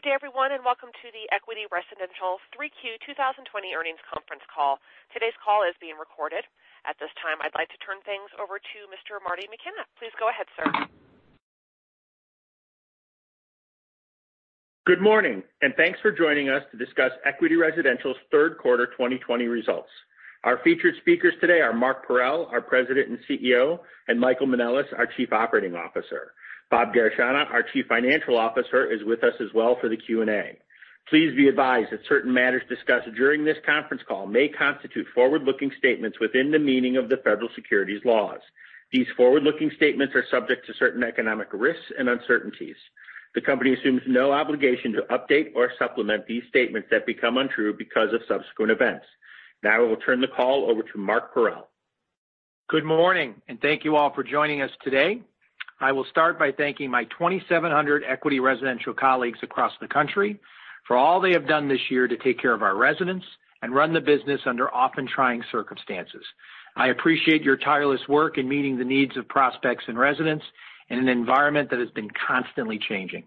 Good day everyone, and welcome to the Equity Residential 3Q 2020 Earnings Conference Call. Today's call is being recorded. At this time, I'd like to turn things over to Mr. Marty McKenna. Please go ahead, sir. Good morning, and thanks for joining us to discuss Equity Residential's third quarter 2020 results. Our featured speakers today are Mark Parrell, our President and CEO, and Michael Manelis, our Chief Operating Officer. Bob Garechana, our Chief Financial Officer, is with us as well for the Q&A. Please be advised that certain matters discussed during this conference call may constitute forward-looking statements within the meaning of the federal securities laws. These forward-looking statements are subject to certain economic risks and uncertainties. The company assumes no obligation to update or supplement these statements that become untrue because of subsequent events. Now I will turn the call over to Mark Parrell. Good morning. Thank you all for joining us today. I will start by thanking my 2,700 Equity Residential colleagues across the country for all they have done this year to take care of our residents and run the business under often trying circumstances. I appreciate your tireless work in meeting the needs of prospects and residents in an environment that has been constantly changing.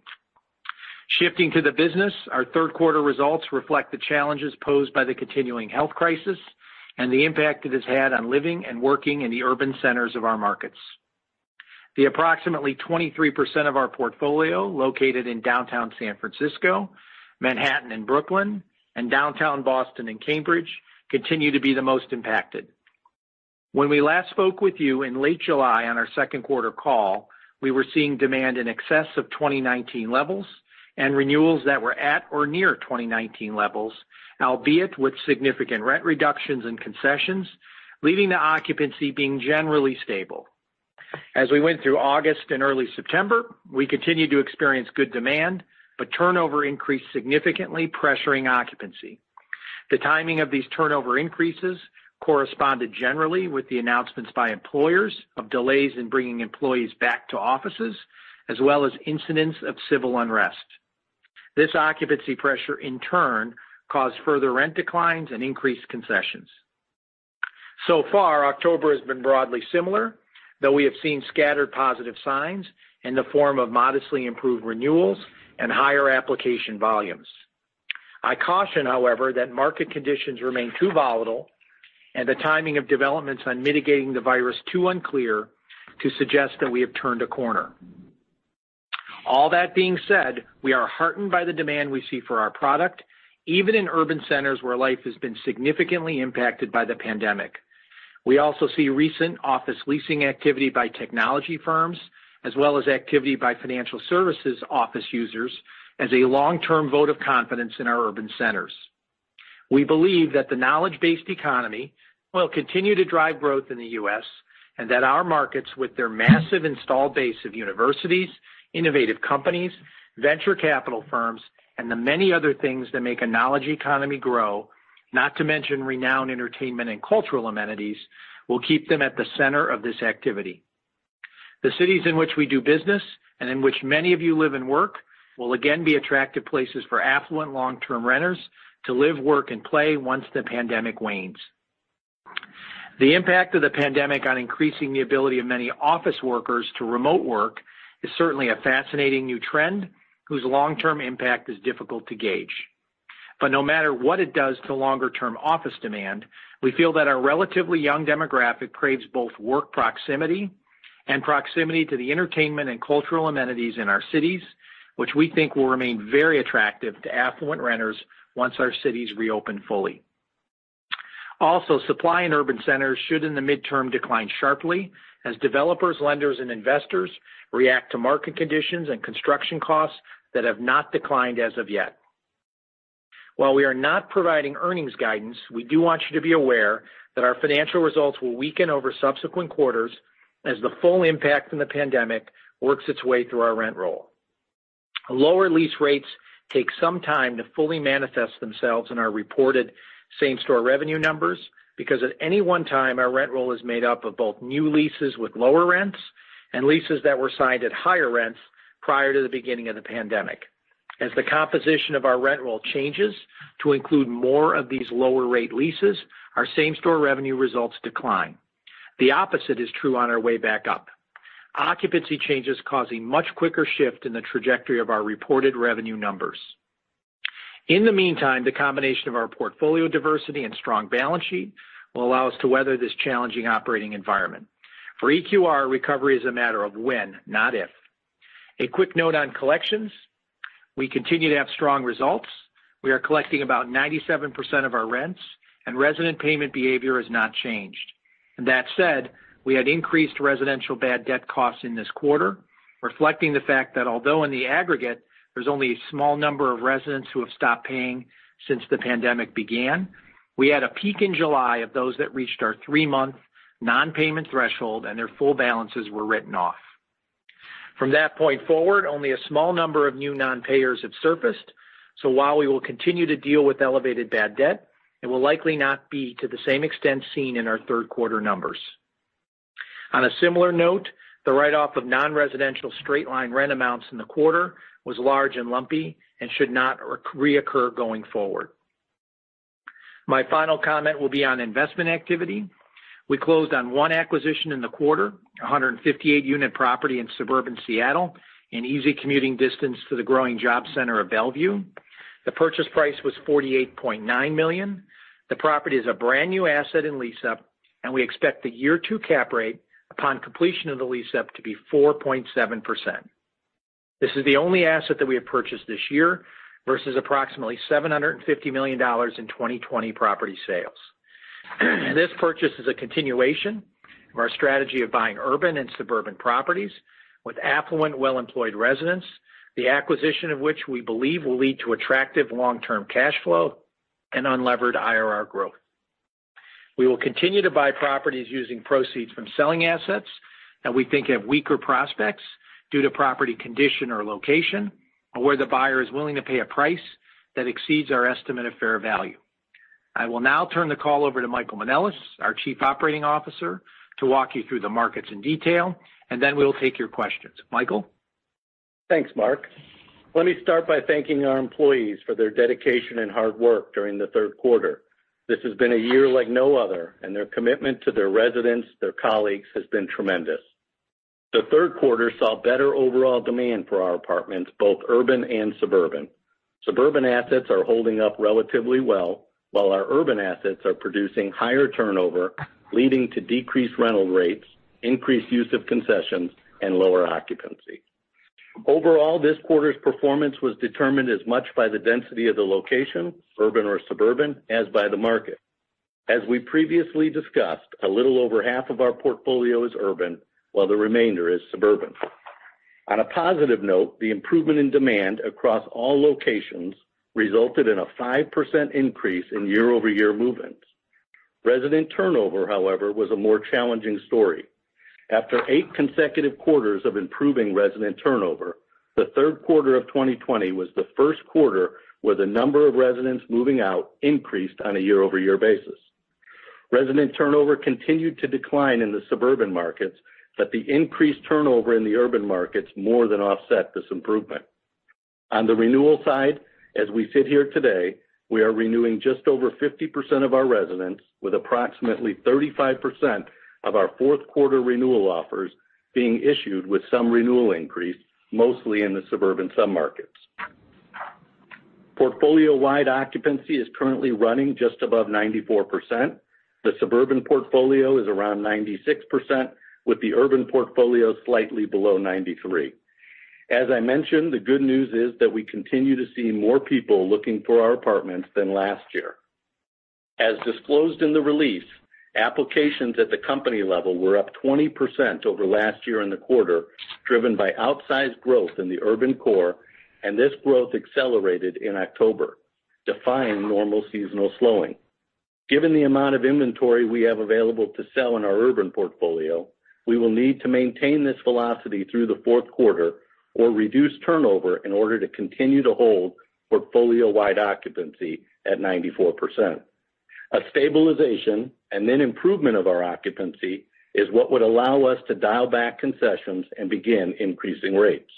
Shifting to the business, our third quarter results reflect the challenges posed by the continuing health crisis and the impact it has had on living and working in the urban centers of our markets. The approximately 23% of our portfolio located in downtown San Francisco, Manhattan and Brooklyn, and downtown Boston and Cambridge continue to be the most impacted. When we last spoke with you in late July on our second quarter call, we were seeing demand in excess of 2019 levels and renewals that were at or near 2019 levels, albeit with significant rent reductions and concessions, leaving the occupancy being generally stable. As we went through August and early September, we continued to experience good demand, but turnover increased significantly, pressuring occupancy. The timing of these turnover increases corresponded generally with the announcements by employers of delays in bringing employees back to offices, as well as incidents of civil unrest. This occupancy pressure in turn caused further rent declines and increased concessions. Far, October has been broadly similar, though we have seen scattered positive signs in the form of modestly improved renewals and higher application volumes. I caution, however, that market conditions remain too volatile and the timing of developments on mitigating the virus too unclear to suggest that we have turned a corner. All that being said, we are heartened by the demand we see for our product, even in urban centers where life has been significantly impacted by the pandemic. We also see recent office leasing activity by technology firms, as well as activity by financial services office users as a long-term vote of confidence in our urban centers. We believe that the knowledge-based economy will continue to drive growth in the U.S., and that our markets, with their massive installed base of universities, innovative companies, venture capital firms, and the many other things that make a knowledge economy grow, not to mention renowned entertainment and cultural amenities, will keep them at the center of this activity. The cities in which we do business and in which many of you live and work will again be attractive places for affluent long-term renters to live, work, and play once the pandemic wanes. The impact of the pandemic on increasing the ability of many office workers to remote work is certainly a fascinating new trend whose long-term impact is difficult to gauge. No matter what it does to longer-term office demand, we feel that our relatively young demographic craves both work proximity and proximity to the entertainment and cultural amenities in our cities, which we think will remain very attractive to affluent renters once our cities reopen fully. Supply in urban centers should in the mid-term decline sharply as developers, lenders, and investors react to market conditions and construction costs that have not declined as of yet. While we are not providing earnings guidance, we do want you to be aware that our financial results will weaken over subsequent quarters as the full impact from the pandemic works its way through our rent roll. Lower lease rates take some time to fully manifest themselves in our reported same-store revenue numbers because at any one time, our rent roll is made up of both new leases with lower rents and leases that were signed at higher rents prior to the beginning of the pandemic. As the composition of our rent roll changes to include more of these lower rate leases, our same-store revenue results decline. The opposite is true on our way back up. Occupancy changes cause a much quicker shift in the trajectory of our reported revenue numbers. In the meantime, the combination of our portfolio diversity and strong balance sheet will allow us to weather this challenging operating environment. For EQR, recovery is a matter of when, not if. A quick note on collections. We continue to have strong results. We are collecting about 97% of our rents and resident payment behavior has not changed. That said, we had increased residential bad debt costs in this quarter, reflecting the fact that although in the aggregate there's only a small number of residents who have stopped paying since the pandemic began, we had a peak in July of those that reached our three-month non-payment threshold and their full balances were written off. From that point forward, only a small number of new non-payers have surfaced. While we will continue to deal with elevated bad debt, it will likely not be to the same extent seen in our third quarter numbers. On a similar note, the write-off of non-residential straight-line rent amounts in the quarter was large and lumpy and should not reoccur going forward. My final comment will be on investment activity. We closed on one acquisition in the quarter, 158-unit property in suburban Seattle, an easy commuting distance to the growing job center of Bellevue. The purchase price was $48.9 million. The property is a brand-new asset in lease-up, and we expect the year two cap rate upon completion of the lease-up to be 4.7%. This is the only asset that we have purchased this year versus approximately $750 million in 2020 property sales. This purchase is a continuation of our strategy of buying urban and suburban properties with affluent, well-employed residents, the acquisition of which we believe will lead to attractive long-term cash flow and unlevered IRR growth. We will continue to buy properties using proceeds from selling assets that we think have weaker prospects due to property condition or location, or where the buyer is willing to pay a price that exceeds our estimate of fair value. I will now turn the call over to Michael Manelis, our Chief Operating Officer, to walk you through the markets in detail, and then we'll take your questions. Michael? Thanks, Mark. Let me start by thanking our employees for their dedication and hard work during the third quarter. This has been a year like no other, and their commitment to their residents, their colleagues, has been tremendous. The third quarter saw better overall demand for our apartments, both urban and suburban. Suburban assets are holding up relatively well, while our urban assets are producing higher turnover, leading to decreased rental rates, increased use of concessions, and lower occupancy. Overall, this quarter's performance was determined as much by the density of the location, urban or suburban, as by the market. As we previously discussed, a little over half of our portfolio is urban, while the remainder is suburban. On a positive note, the improvement in demand across all locations resulted in a 5% increase in year-over-year movements. Resident turnover, however, was a more challenging story. After eight consecutive quarters of improving resident turnover, the third quarter of 2020 was the first quarter where the number of residents moving out increased on a year-over-year basis. Resident turnover continued to decline in the suburban markets, but the increased turnover in the urban markets more than offset this improvement. On the renewal side, as we sit here today, we are renewing just over 50% of our residents with approximately 35% of our fourth quarter renewal offers being issued with some renewal increase, mostly in the suburban submarkets. Portfolio-wide occupancy is currently running just above 94%. The suburban portfolio is around 96%, with the urban portfolio slightly below 93%. As I mentioned, the good news is that we continue to see more people looking for our apartments than last year. As disclosed in the release, applications at the company level were up 20% over last year in the quarter, driven by outsized growth in the urban core, and this growth accelerated in October, defying normal seasonal slowing. Given the amount of inventory we have available to sell in our urban portfolio, we will need to maintain this velocity through the fourth quarter or reduce turnover in order to continue to hold portfolio-wide occupancy at 94%. A stabilization and then improvement of our occupancy is what would allow us to dial back concessions and begin increasing rates.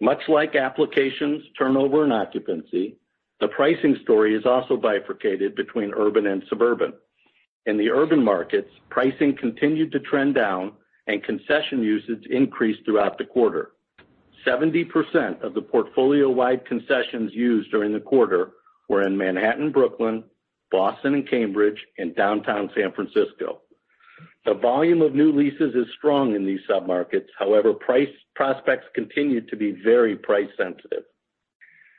Much like applications, turnover, and occupancy, the pricing story is also bifurcated between urban and suburban. In the urban markets, pricing continued to trend down and concession usage increased throughout the quarter. 70% of the portfolio-wide concessions used during the quarter were in Manhattan, Brooklyn, Boston and Cambridge, and downtown San Francisco. The volume of new leases is strong in these submarkets. Prospects continue to be very price sensitive.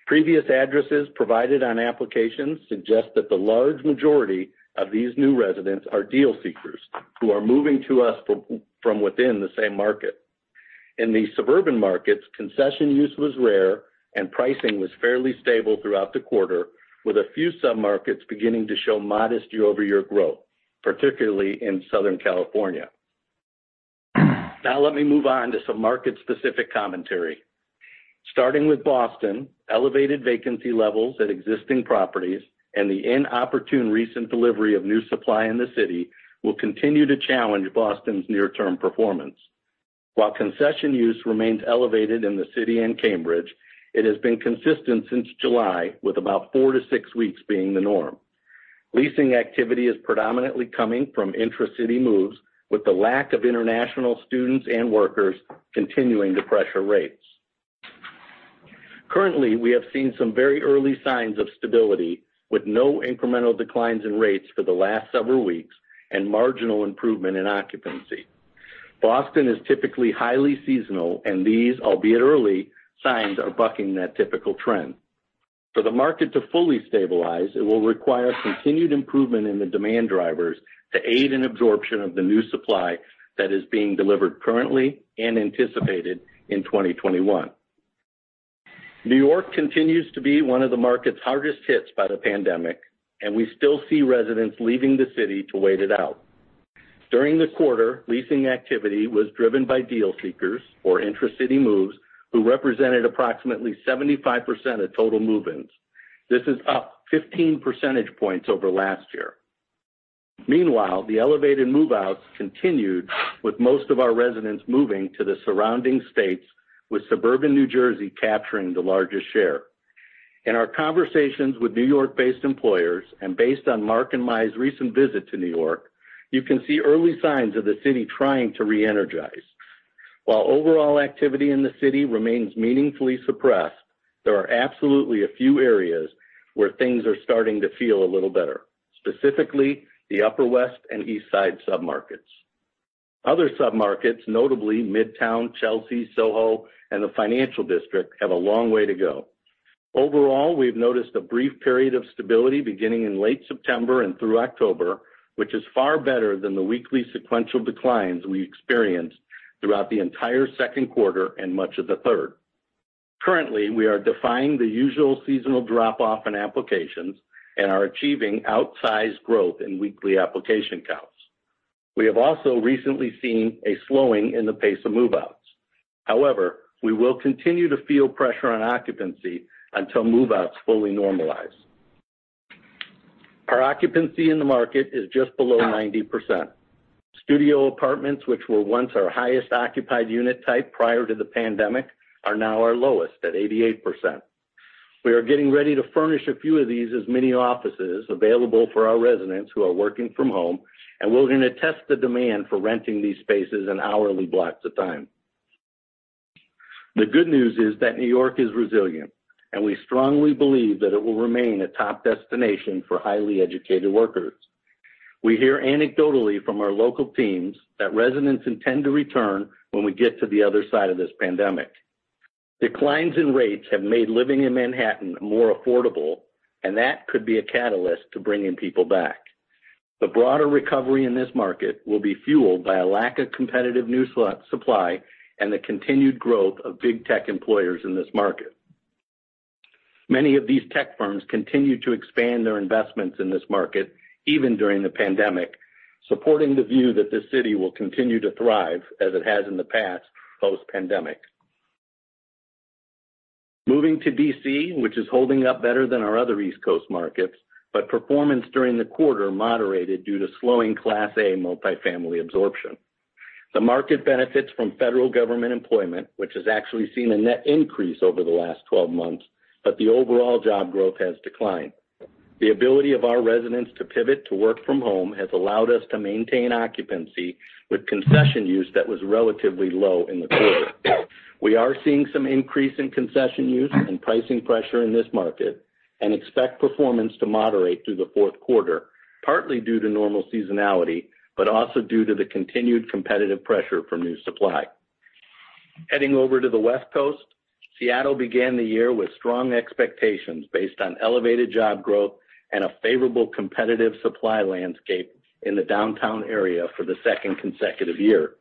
Previous addresses provided on applications suggest that the large majority of these new residents are deal seekers who are moving to us from within the same market. In the suburban markets, concession use was rare, and pricing was fairly stable throughout the quarter, with a few submarkets beginning to show modest year-over-year growth, particularly in Southern California. Let me move on to some market-specific commentary. Starting with Boston, elevated vacancy levels at existing properties and the inopportune recent delivery of new supply in the city will continue to challenge Boston's near-term performance. While concession use remains elevated in the city and Cambridge, it has been consistent since July, with about four to six weeks being the norm. Leasing activity is predominantly coming from intracity moves, with the lack of international students and workers continuing to pressure rates. Currently, we have seen some very early signs of stability, with no incremental declines in rates for the last several weeks and marginal improvement in occupancy. Boston is typically highly seasonal, and these, albeit early, signs are bucking that typical trend. For the market to fully stabilize, it will require continued improvement in the demand drivers to aid in absorption of the new supply that is being delivered currently and anticipated in 2021. New York continues to be one of the markets hardest hit by the pandemic, and we still see residents leaving the city to wait it out. During the quarter, leasing activity was driven by deal seekers or intracity moves who represented approximately 75% of total move-ins. This is up 15 percentage points over last year. Meanwhile, the elevated move-outs continued with most of our residents moving to the surrounding states, with suburban New Jersey capturing the largest share. In our conversations with New York-based employers, and based on Mark and my recent visit to New York, you can see early signs of the city trying to re-energize. While overall activity in the city remains meaningfully suppressed, there are absolutely a few areas where things are starting to feel a little better, specifically the Upper West and East Side submarkets. Other submarkets, notably Midtown, Chelsea, SoHo, and the Financial District, have a long way to go. Overall, we've noticed a brief period of stability beginning in late September and through October, which is far better than the weekly sequential declines we experienced throughout the entire second quarter and much of the third. Currently, we are defying the usual seasonal drop-off in applications and are achieving outsized growth in weekly application counts. We have also recently seen a slowing in the pace of move-outs. However, we will continue to feel pressure on occupancy until move-outs fully normalize. Our occupancy in the market is just below 90%. Studio apartments, which were once our highest occupied unit type prior to the pandemic, are now our lowest at 88%. We are getting ready to furnish a few of these as mini offices available for our residents who are working from home, and we're going to test the demand for renting these spaces in hourly blocks of time. The good news is that New York is resilient, and we strongly believe that it will remain a top destination for highly educated workers. We hear anecdotally from our local teams that residents intend to return when we get to the other side of this pandemic. Declines in rates have made living in Manhattan more affordable, and that could be a catalyst to bringing people back. The broader recovery in this market will be fueled by a lack of competitive new supply and the continued growth of big tech employers in this market. Many of these tech firms continue to expand their investments in this market, even during the pandemic, supporting the view that this city will continue to thrive as it has in the past post-pandemic. Moving to D.C., which is holding up better than our other East Coast markets, but performance during the quarter moderated due to slowing Class A multifamily absorption. The market benefits from federal government employment, which has actually seen a net increase over the last 12 months, but the overall job growth has declined. The ability of our residents to pivot to work from home has allowed us to maintain occupancy with concession use that was relatively low in the quarter. We are seeing some increase in concession use and pricing pressure in this market and expect performance to moderate through the fourth quarter, partly due to normal seasonality, but also due to the continued competitive pressure from new supply. Heading over to the West Coast, Seattle began the year with strong expectations based on elevated job growth and a favorable competitive supply landscape in the downtown area for the second consecutive year.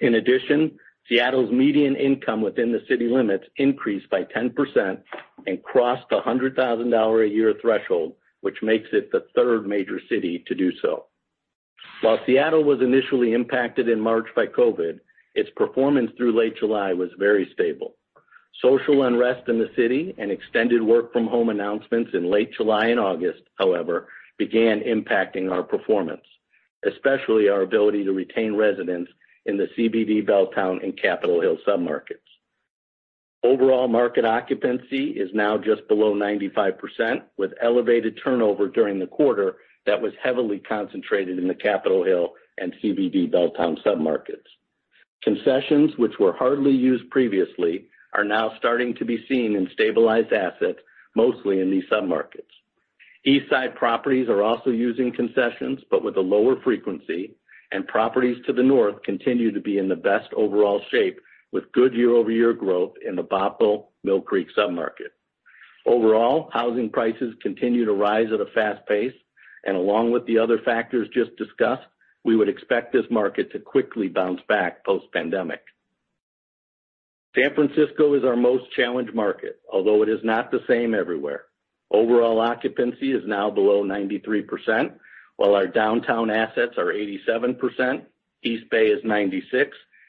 In addition, Seattle's median income within the city limits increased by 10% and crossed the $100,000 a year threshold, which makes it the third major city to do so. While Seattle was initially impacted in March by COVID, its performance through late July was very stable. Social unrest in the city and extended work from home announcements in late July and August, however, began impacting our performance, especially our ability to retain residents in the CBD Belltown and Capitol Hill submarkets. Overall market occupancy is now just below 95%, with elevated turnover during the quarter that was heavily concentrated in the Capitol Hill and CBD Belltown submarkets. Concessions, which were hardly used previously, are now starting to be seen in stabilized assets, mostly in these submarkets. East Side properties are also using concessions, but with a lower frequency, and properties to the north continue to be in the best overall shape with good year-over-year growth in the Bothell/Mill Creek submarket. Overall, housing prices continue to rise at a fast pace, and along with the other factors just discussed, we would expect this market to quickly bounce back post-pandemic. San Francisco is our most challenged market, although it is not the same everywhere. Overall occupancy is now below 93%, while our downtown assets are 87%, East Bay is 96%,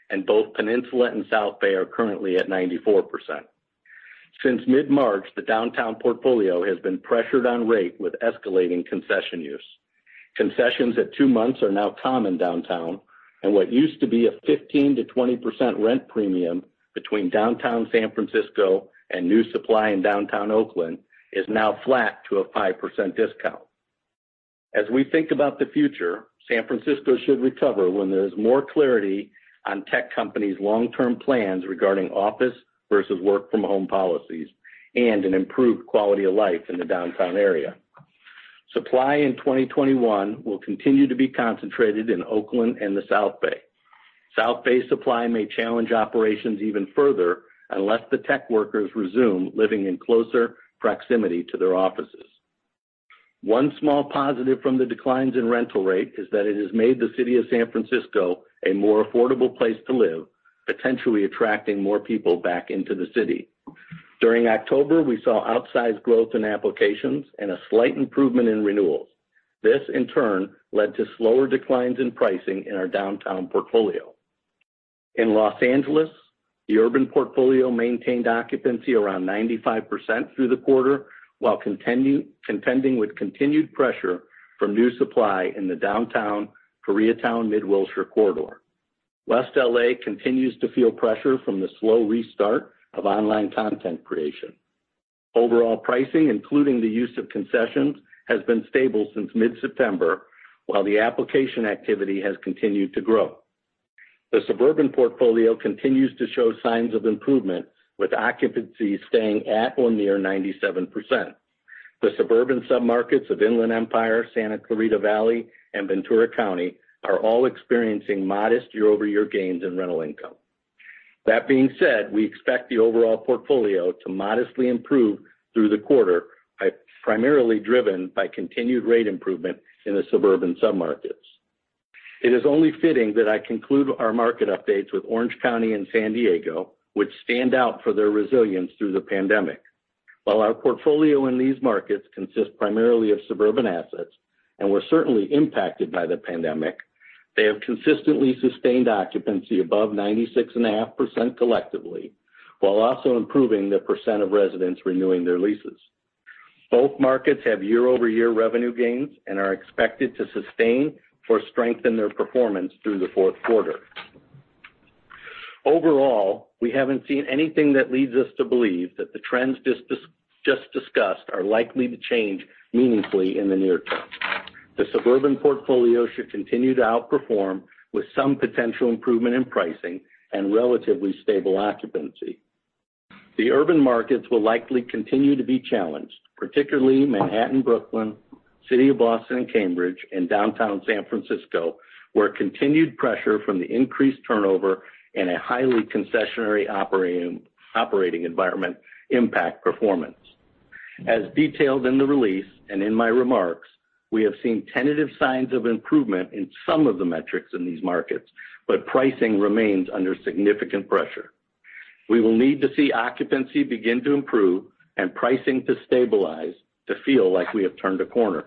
and both Peninsula and South Bay are currently at 94%. Since mid-March, the downtown portfolio has been pressured on rate with escalating concession use. Concessions at two months are now common downtown, and what used to be a 15%-20% rent premium between downtown San Francisco and new supply in downtown Oakland is now flat to a 5% discount. As we think about the future, San Francisco should recover when there is more clarity on tech companies' long-term plans regarding office versus work from home policies and an improved quality of life in the downtown area. Supply in 2021 will continue to be concentrated in Oakland and the South Bay. South Bay supply may challenge operations even further unless the tech workers resume living in closer proximity to their offices. One small positive from the declines in rental rate is that it has made the city of San Francisco a more affordable place to live, potentially attracting more people back into the city. During October, we saw outsized growth in applications and a slight improvement in renewals. This in turn led to slower declines in pricing in our downtown portfolio. In Los Angeles, the urban portfolio maintained occupancy around 95% through the quarter, while contending with continued pressure from new supply in the downtown Koreatown Mid-Wilshire corridor. West L.A. continues to feel pressure from the slow restart of online content creation. Overall pricing, including the use of concessions, has been stable since mid-September, while the application activity has continued to grow. The suburban portfolio continues to show signs of improvement, with occupancy staying at or near 97%. The suburban submarkets of Inland Empire, Santa Clarita Valley, and Ventura County are all experiencing modest year-over-year gains in rental income. That being said, we expect the overall portfolio to modestly improve through the quarter, primarily driven by continued rate improvement in the suburban submarkets. It is only fitting that I conclude our market updates with Orange County and San Diego, which stand out for their resilience through the pandemic. While our portfolio in these markets consists primarily of suburban assets and were certainly impacted by the pandemic, they have consistently sustained occupancy above 96.5% collectively, while also improving the percent of residents renewing their leases. Both markets have year-over-year revenue gains and are expected to sustain or strengthen their performance through the fourth quarter. Overall, we haven't seen anything that leads us to believe that the trends just discussed are likely to change meaningfully in the near term. The suburban portfolio should continue to outperform, with some potential improvement in pricing and relatively stable occupancy. The urban markets will likely continue to be challenged, particularly Manhattan, Brooklyn, City of Boston and Cambridge, and downtown San Francisco, where continued pressure from the increased turnover and a highly concessionary operating environment impact performance. As detailed in the release and in my remarks, we have seen tentative signs of improvement in some of the metrics in these markets, but pricing remains under significant pressure. We will need to see occupancy begin to improve and pricing to stabilize to feel like we have turned a corner.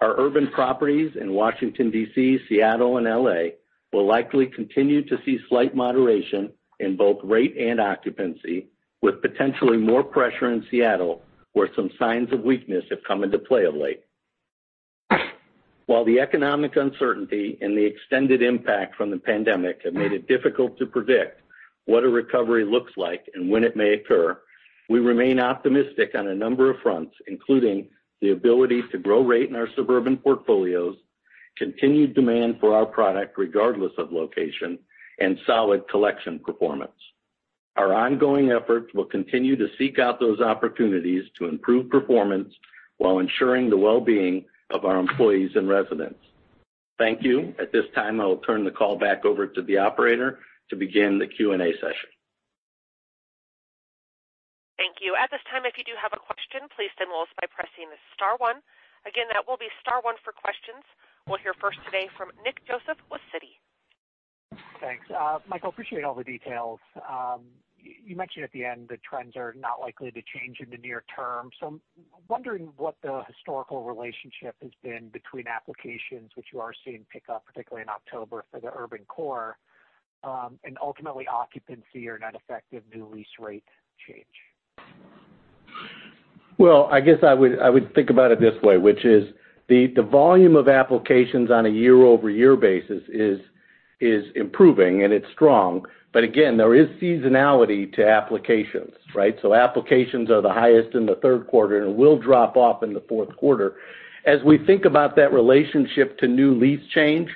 Our urban properties in Washington, D.C., Seattle, and L.A. will likely continue to see slight moderation in both rate and occupancy, with potentially more pressure in Seattle, where some signs of weakness have come into play of late. While the economic uncertainty and the extended impact from the pandemic have made it difficult to predict what a recovery looks like and when it may occur, we remain optimistic on a number of fronts, including the ability to grow rate in our suburban portfolios, continued demand for our product regardless of location, and solid collection performance. Our ongoing efforts will continue to seek out those opportunities to improve performance while ensuring the well-being of our employees and residents. Thank you. At this time, I will turn the call back over to the operator to begin the Q&A session. Thank you. At this time, if you do have a question, please signal us by pressing star one. Again, that will be star one for questions. We will hear first today from Nick Joseph with Citi. Thanks. Michael, appreciate all the details. You mentioned at the end the trends are not likely to change in the near term. I'm wondering what the historical relationship has been between applications, which you are seeing pick up, particularly in October for the urban core, and ultimately occupancy or net effect of new lease rate change. I guess I would think about it this way, which is the volume of applications on a year-over-year basis is improving and it's strong. There is seasonality to applications, right? Applications are the highest in the third quarter and will drop off in the fourth quarter. As we think about that relationship to new lease change,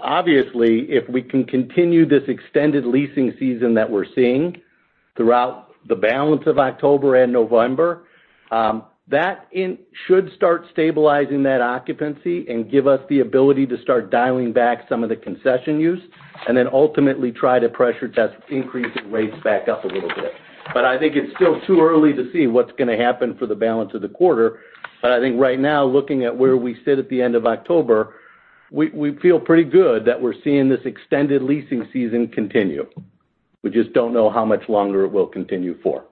obviously, if we can continue this extended leasing season that we're seeing throughout the balance of October and November, that should start stabilizing that occupancy and give us the ability to start dialing back some of the concession use and then ultimately try to pressure test increasing rates back up a little bit. I think it's still too early to see what's going to happen for the balance of the quarter. I think right now, looking at where we sit at the end of October, we feel pretty good that we're seeing this extended leasing season continue. We just don't know how much longer it will continue for.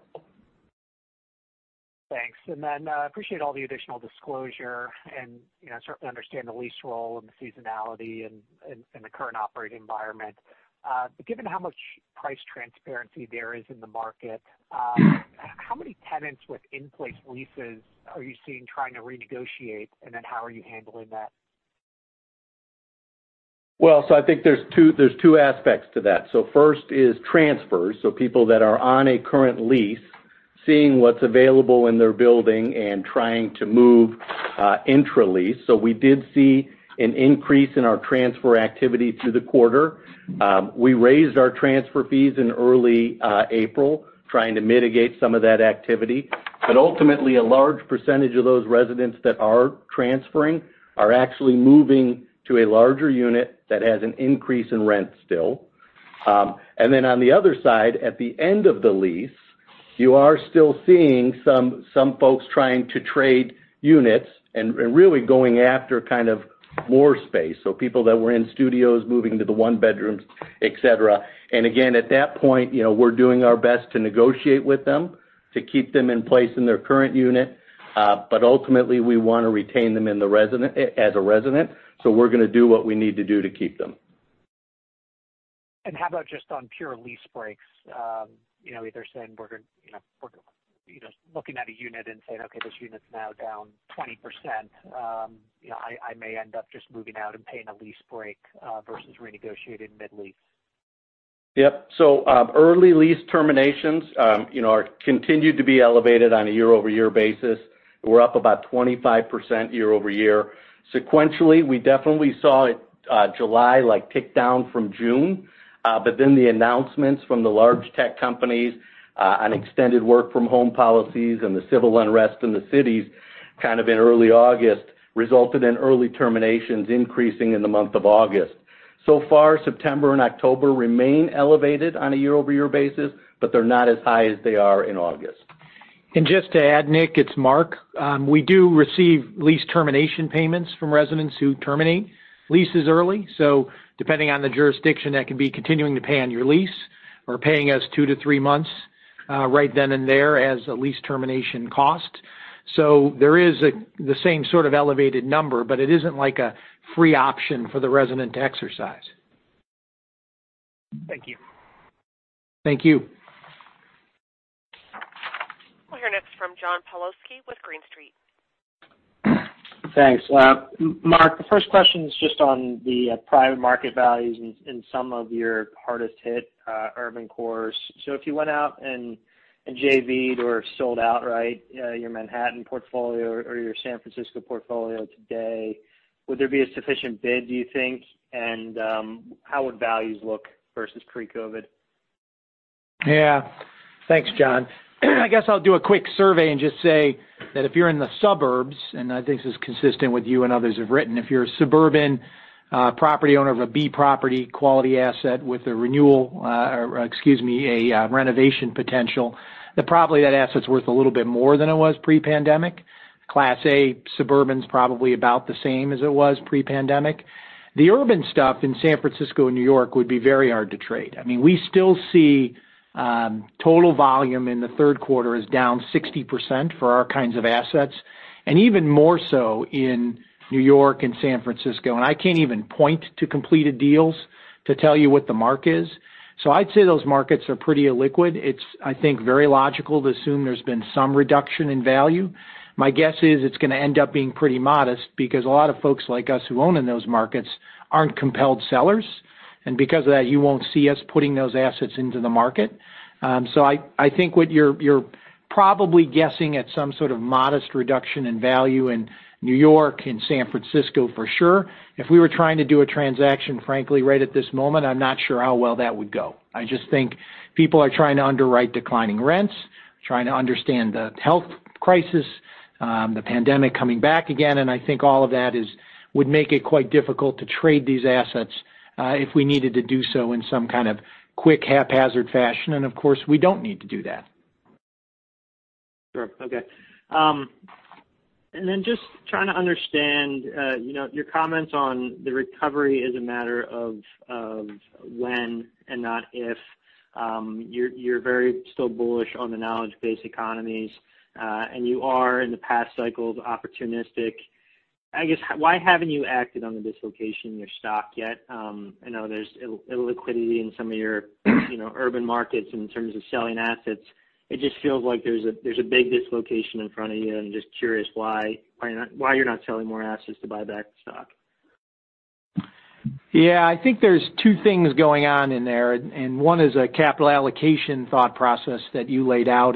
Thanks. Appreciate all the additional disclosure and certainly understand the lease roll and the seasonality in the current operating environment. Given how much price transparency there is in the market, how many tenants with in-place leases are you seeing trying to renegotiate, how are you handling that? Well, I think there's two aspects to that. First is transfers. People that are on a current lease, seeing what's available in their building and trying to move intra-lease. We did see an increase in our transfer activity through the quarter. We raised our transfer fees in early April, trying to mitigate some of that activity. Ultimately, a large percentage of those residents that are transferring are actually moving to a larger unit that has an increase in rent still. On the other side, at the end of the lease, you are still seeing some folks trying to trade units and really going after kind of more space. People that were in studios moving to the one bedrooms, et cetera. Again, at that point, we're doing our best to negotiate with them to keep them in place in their current unit. Ultimately, we want to retain them as a resident. We're going to do what we need to do to keep them. How about just on pure lease breaks? Either saying we're looking at a unit and saying, "Okay, this unit's now down 20%. I may end up just moving out and paying a lease break versus renegotiating mid-lease. Yep. Early lease terminations continue to be elevated on a year-over-year basis. We're up about 25% year-over-year. Sequentially, we definitely saw July tick down from June. The announcements from the large tech companies on extended work from home policies and the civil unrest in the cities kind of in early August resulted in early terminations increasing in the month of August. So far, September and October remain elevated on a year-over-year basis, but they're not as high as they are in August. Just to add, Nick, it's Mark. We do receive lease termination payments from residents who terminate leases early. Depending on the jurisdiction, that can be continuing to pay on your lease or paying us two-three months right then and there as a lease termination cost. There is the same sort of elevated number, but it isn't like a free option for the resident to exercise. Thank you. Thank you. We'll hear next from John Pawlowski with Green Street. Thanks. Mark, the first question's just on the private market values in some of your hardest hit urban cores. If you went out and JV'd or sold outright your Manhattan portfolio or your San Francisco portfolio today, would there be a sufficient bid, do you think, and how would values look versus pre-COVID? Yeah. Thanks, John. I guess I'll do a quick survey and just say that if you're in the suburbs, and I think this is consistent with you and others have written, if you're a suburban property owner of a Class B property quality asset with a renovation potential, then probably that asset's worth a little bit more than it was pre-pandemic. Class A suburban's probably about the same as it was pre-pandemic. The urban stuff in San Francisco and New York would be very hard to trade. We still see total volume in the third quarter is down 60% for our kinds of assets, even more so in New York and San Francisco. I can't even point to completed deals to tell you what the mark is. I'd say those markets are pretty illiquid. It's, I think, very logical to assume there's been some reduction in value. My guess is it's going to end up being pretty modest because a lot of folks like us who own in those markets aren't compelled sellers. Because of that, you won't see us putting those assets into the market. I think what you're probably guessing at some sort of modest reduction in value in New York and San Francisco for sure. If we were trying to do a transaction, frankly, right at this moment, I'm not sure how well that would go. I just think people are trying to underwrite declining rents, trying to understand the health crisis, the pandemic coming back again. I think all of that would make it quite difficult to trade these assets if we needed to do so in some kind of quick, haphazard fashion. Of course, we don't need to do that. Sure. Okay. Just trying to understand your comments on the recovery is a matter of when and not if. You're very still bullish on the knowledge-based economies. You are, in the past cycles, opportunistic. I guess, why haven't you acted on the dislocation in your stock yet? I know there's illiquidity in some of your urban markets in terms of selling assets. It just feels like there's a big dislocation in front of you. I'm just curious why you're not selling more assets to buy back the stock? Yeah. I think there's two things going on in there, one is a capital allocation thought process that you laid out.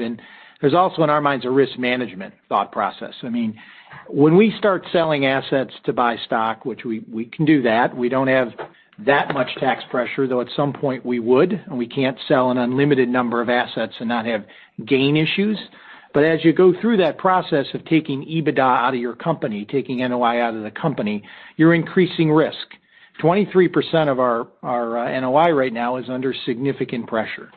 There's also, in our minds, a risk management thought process. When we start selling assets to buy stock, which we can do that. We don't have that much tax pressure, though at some point we would, we can't sell an unlimited number of assets and not have gain issues. As you go through that process of taking EBITDA out of your company, taking NOI out of the company, you're increasing risk. 23% of our NOI right now is under significant pressure.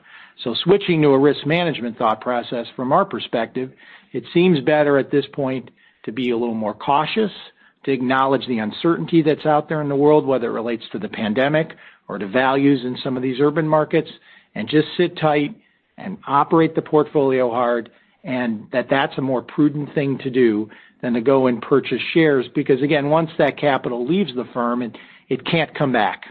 Switching to a risk management thought process from our perspective, it seems better at this point to be a little more cautious, to acknowledge the uncertainty that's out there in the world, whether it relates to the pandemic or to values in some of these urban markets, and just sit tight and operate the portfolio hard, and that's a more prudent thing to do than to go and purchase shares. Because again, once that capital leaves the firm, it can't come back.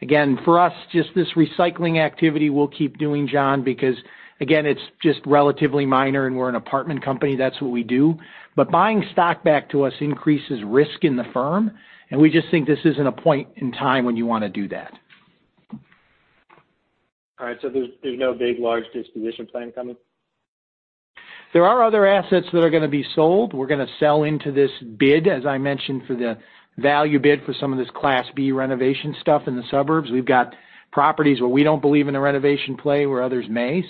Again, for us, just this recycling activity we'll keep doing, John, because again, it's just relatively minor and we're an apartment company. That's what we do. Buying stock back to us increases risk in the firm, and we just think this isn't a point in time when you want to do that. All right. There's no big large disposition plan coming? There are other assets that are going to be sold. We're going to sell into this bid, as I mentioned, for the value bid for some of this Class B renovation stuff in the suburbs. We've got properties where we don't believe in a renovation play where others may.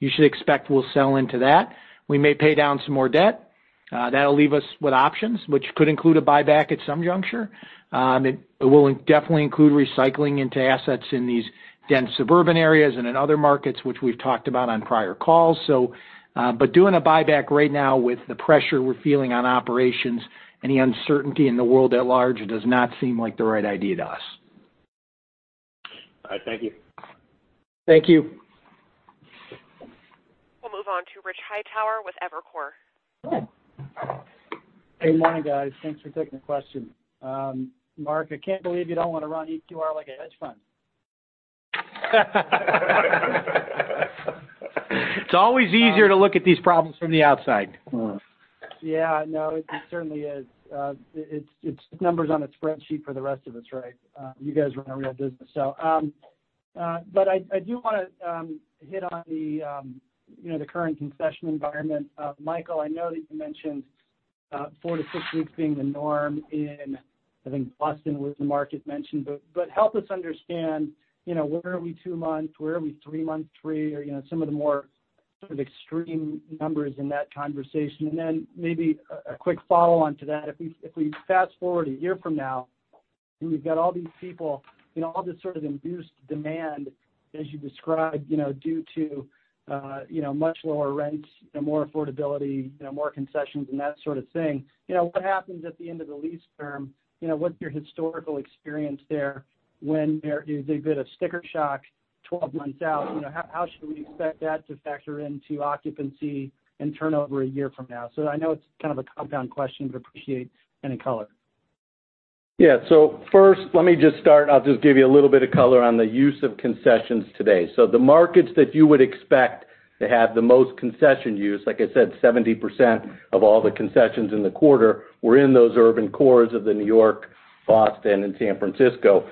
You should expect we'll sell into that. We may pay down some more debt. That'll leave us with options, which could include a buyback at some juncture. It will definitely include recycling into assets in these dense suburban areas and in other markets, which we've talked about on prior calls. Doing a buyback right now with the pressure we're feeling on operations and the uncertainty in the world at large does not seem like the right idea to us. All right. Thank you. Thank you. Move on to Rich Hightower with Evercore. Good morning, guys. Thanks for taking the question. Mark, I can't believe you don't want to run EQR like a hedge fund. It's always easier to look at these problems from the outside. No, it certainly is. It's just numbers on a spreadsheet for the rest of us, right? You guys run a real business. I do want to hit on the current concession environment. Michael, I know that you mentioned four-six weeks being the norm in, I think, Boston was the market mentioned. Help us understand, where are we two months? Where are we three months, or some of the more sort of extreme numbers in that conversation? Then maybe a quick follow-on to that. If we fast-forward a year from now, and we've got all these people, all this sort of induced demand, as you described, due to much lower rents, more affordability, more concessions, and that sort of thing. What happens at the end of the lease term? What's your historical experience there when there is a bit of sticker shock 12 months out? How should we expect that to factor into occupancy and turnover a year from now? I know it's kind of a compound question, but appreciate any color. Yeah. First, let me just start. I'll just give you a little bit of color on the use of concessions today. The markets that you would expect to have the most concession use, like I said, 70% of all the concessions in the quarter were in those urban cores of New York, Boston, and San Francisco.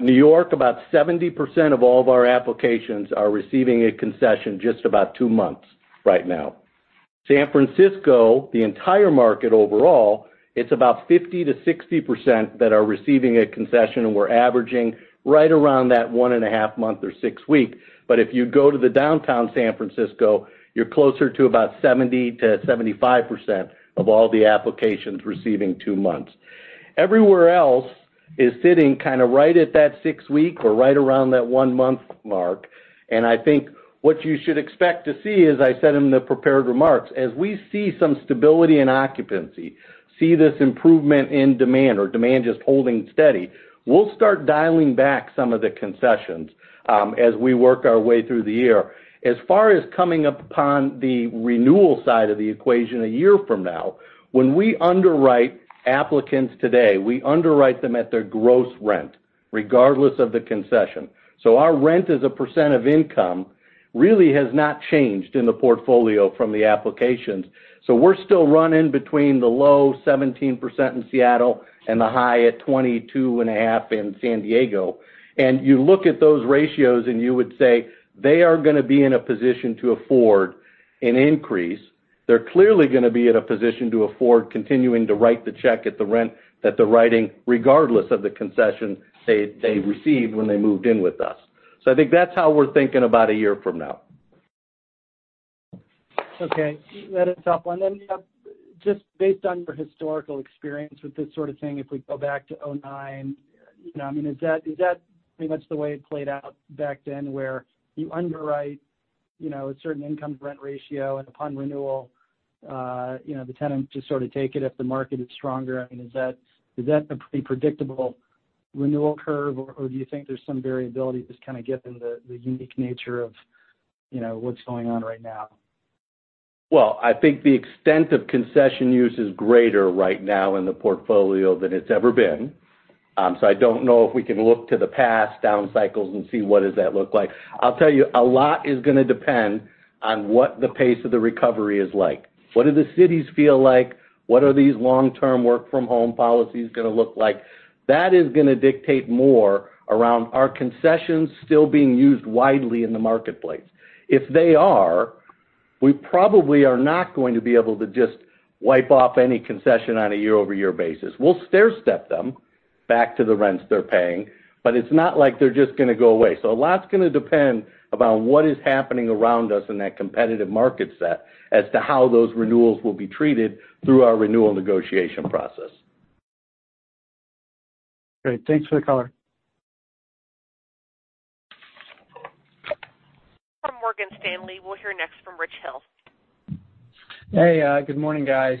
New York, about 70% of all of our applications are receiving a concession, just about two months right now. San Francisco, the entire market overall, it's about 50% to 60% that are receiving a concession, and we're averaging right around that one and a half month or six weeks. If you go to the downtown San Francisco, you're closer to about 70% to 75% of all the applications receiving two months. Everywhere else is sitting kind of right at that six-week or right around that one-month mark. I think what you should expect to see is, I said in the prepared remarks, as we see some stability in occupancy, see this improvement in demand or demand just holding steady, we'll start dialing back some of the concessions as we work our way through the year. As far as coming upon the renewal side of the equation a year from now, when we underwrite applicants today, we underwrite them at their gross rent, regardless of the concession. Our rent as a percent of income really has not changed in the portfolio from the applications. We're still running between the low 17% in Seattle and the high at 22.5% in San Diego. You look at those ratios, and you would say they are going to be in a position to afford an increase. They're clearly going to be in a position to afford continuing to write the check at the rent that they're writing, regardless of the concession they received when they moved in with us. I think that's how we're thinking about a year from now. Okay. That's a tough one. Just based on your historical experience with this sort of thing, if we go back to 2009, is that pretty much the way it played out back then, where you underwrite a certain income-to-rent ratio, and upon renewal, the tenants just sort of take it if the market is stronger? Is that the predictable renewal curve, or do you think there's some variability, just kind of given the unique nature of what's going on right now? Well, I think the extent of concession use is greater right now in the portfolio than it's ever been. I don't know if we can look to the past down cycles and see what does that look like. I'll tell you, a lot is going to depend on what the pace of the recovery is like. What do the cities feel like? What are these long-term work-from-home policies going to look like? That is going to dictate more around are concessions still being used widely in the marketplace. If they are, we probably are not going to be able to just wipe off any concession on a year-over-year basis. We'll stairstep them back to the rents they're paying, but it's not like they're just going to go away. A lot's going to depend about what is happening around us in that competitive market set as to how those renewals will be treated through our renewal negotiation process. Great. Thanks for the color. From Morgan Stanley. We'll hear next from Rich Hill. Hey, good morning, guys.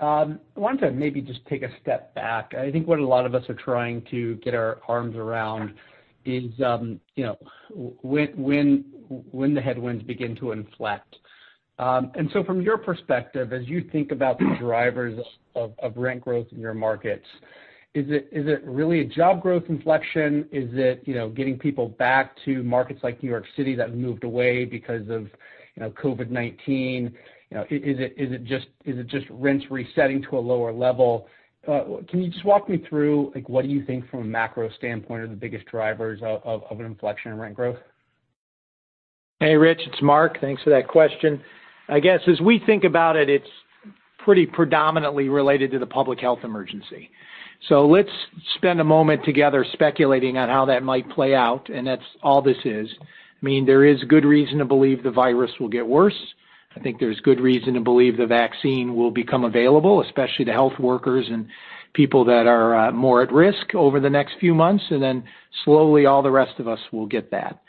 I wanted to maybe just take a step back. I think what a lot of us are trying to get our arms around is when the headwinds begin to inflect. From your perspective, as you think about the drivers of rent growth in your markets, is it really a job growth inflection? Is it getting people back to markets like New York City that have moved away because of COVID-19? Is it just rents resetting to a lower level? Can you just walk me through, like, what do you think from a macro standpoint are the biggest drivers of an inflection in rent growth? Hey, Rich. It's Mark. Thanks for that question. I guess as we think about it's pretty predominantly related to the public health emergency. Let's spend a moment together speculating on how that might play out, and that's all this is. I mean, there is good reason to believe the virus will get worse. I think there's good reason to believe the vaccine will become available, especially to health workers and people that are more at risk over the next few months. Then slowly, all the rest of us will get that.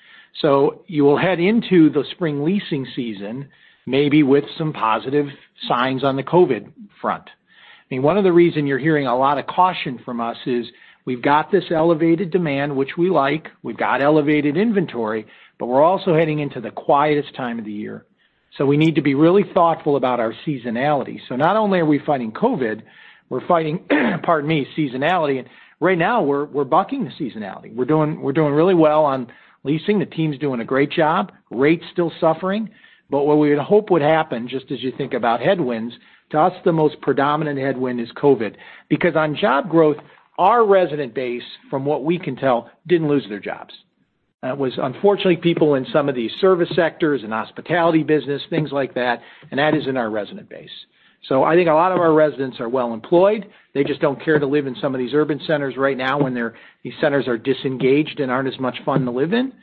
You will head into the spring leasing season, maybe with some positive signs on the COVID front. One of the reasons you're hearing a lot of caution from us is we've got this elevated demand, which we like. We've got elevated inventory, but we're also heading into the quietest time of the year. We need to be really thoughtful about our seasonality. Not only are we fighting COVID, we're fighting seasonality. Right now, we're bucking the seasonality. We're doing really well on leasing. The team's doing a great job. Rate's still suffering. What we would hope would happen, just as you think about headwinds, to us, the most predominant headwind is COVID. On job growth, our resident base, from what we can tell, didn't lose their jobs. It was unfortunately people in some of these service sectors and hospitality business, things like that, and that isn't our resident base. I think a lot of our residents are well-employed. They just don't care to live in some of these urban centers right now when these centers are disengaged and aren't as much fun to live in.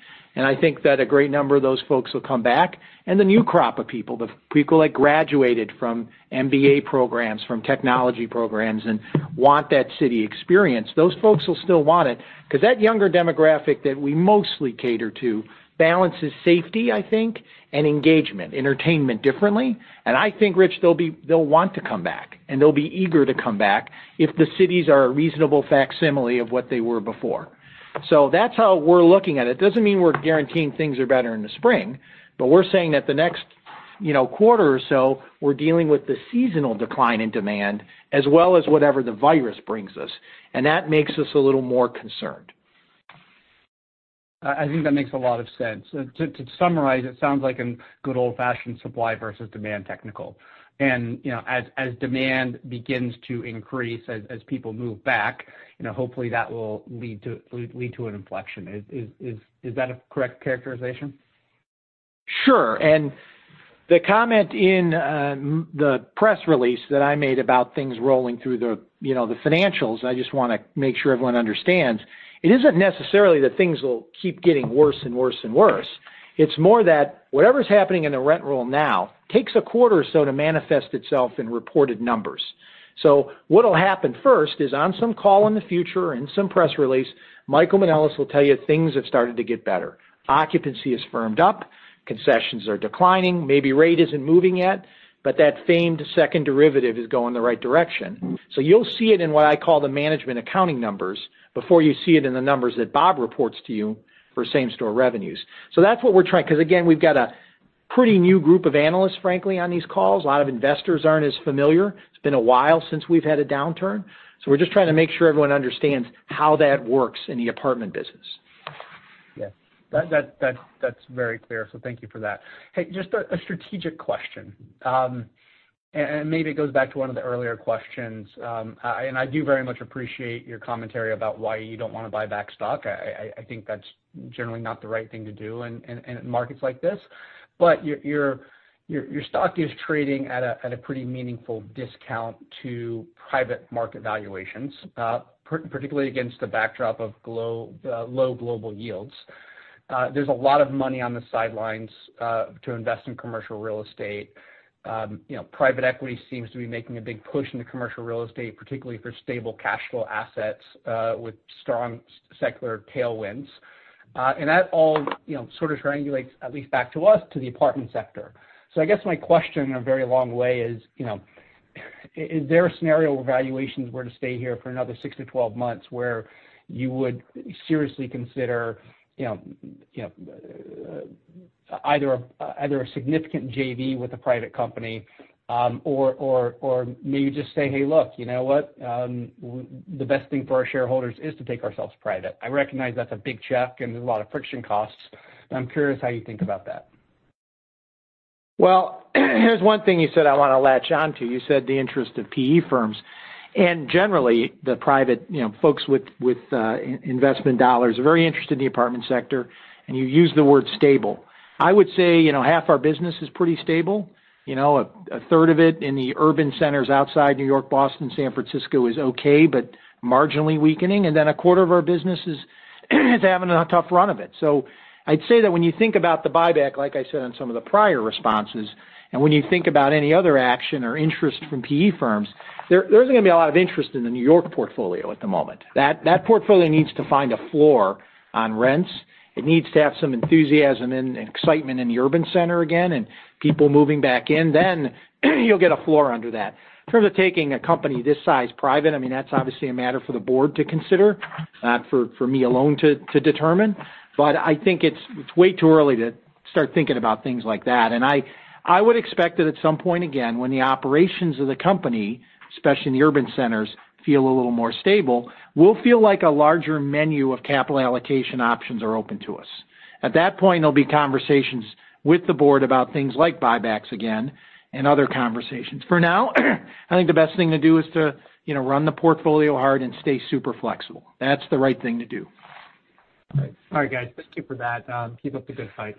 I think that a great number of those folks will come back. The new crop of people, the people that graduated from MBA programs, from technology programs, and want that city experience, those folks will still want it. Because that younger demographic that we mostly cater to balances safety, I think, and engagement, entertainment differently. I think, Rich, they'll want to come back, and they'll be eager to come back if the cities are a reasonable facsimile of what they were before. That's how we're looking at it. It doesn't mean we're guaranteeing things are better in the spring, but we're saying that the next quarter or so, we're dealing with the seasonal decline in demand as well as whatever the virus brings us, and that makes us a little more concerned. I think that makes a lot of sense. To summarize, it sounds like a good old-fashioned supply versus demand technical. As demand begins to increase, as people move back, hopefully that will lead to an inflection. Is that a correct characterization? Sure. The comment in the press release that I made about things rolling through the financials, I just want to make sure everyone understands, it isn't necessarily that things will keep getting worse and worse. It's more that whatever's happening in the rent roll now takes a quarter or so to manifest itself in reported numbers. What'll happen first is on some call in the future, in some press release, Michael Manelis will tell you things have started to get better. Occupancy has firmed up. Concessions are declining. Maybe rate isn't moving yet, but that famed second derivative is going the right direction. You'll see it in what I call the management accounting numbers before you see it in the numbers that Bob reports to you for same-store revenues. That's what we're trying, because again, we've got a pretty new group of analysts, frankly, on these calls. A lot of investors aren't as familiar. It's been a while since we've had a downturn. We're just trying to make sure everyone understands how that works in the apartment business. Yeah. That's very clear, so thank you for that. Hey, just a strategic question. Maybe it goes back to one of the earlier questions. I do very much appreciate your commentary about why you don't want to buy back stock. I think that's generally not the right thing to do in markets like this. Your stock is trading at a pretty meaningful discount to private market valuations, particularly against the backdrop of low global yields. There's a lot of money on the sidelines to invest in commercial real estate. Private equity seems to be making a big push into commercial real estate, particularly for stable cash flow assets with strong secular tailwinds. That all sort of triangulates, at least back to us, to the apartment sector. I guess my question in a very long way is there a scenario where valuations were to stay here for another six to 12 months where you would seriously consider either a significant JV with a private company or maybe just say, "Hey, look, you know what? The best thing for our shareholders is to take ourselves private," I recognize that's a big check and there's a lot of friction costs, but I'm curious how you think about that? Well, here's one thing you said I want to latch onto. You said the interest of PE firms, and generally the private folks with investment dollars are very interested in the apartment sector, and you used the word stable. I would say half our business is pretty stable. A third of it in the urban centers outside New York, Boston, San Francisco is okay, but marginally weakening. A quarter of our business is having a tough run of it. I'd say that when you think about the buyback, like I said on some of the prior responses, and when you think about any other action or interest from PE firms, there isn't going to be a lot of interest in the New York portfolio at the moment. That portfolio needs to find a floor on rents. It needs to have some enthusiasm and excitement in the urban center again and people moving back in. You'll get a floor under that. In terms of taking a company this size private, that's obviously a matter for the board to consider, not for me alone to determine. I think it's way too early to start thinking about things like that. I would expect that at some point again, when the operations of the company, especially in the urban centers, feel a little more stable, we'll feel like a larger menu of capital allocation options are open to us. At that point, there'll be conversations with the board about things like buybacks again and other conversations. For now, I think the best thing to do is to run the portfolio hard and stay super flexible. That's the right thing to do. All right. All right, guys. Thank you for that. Keep up the good fight.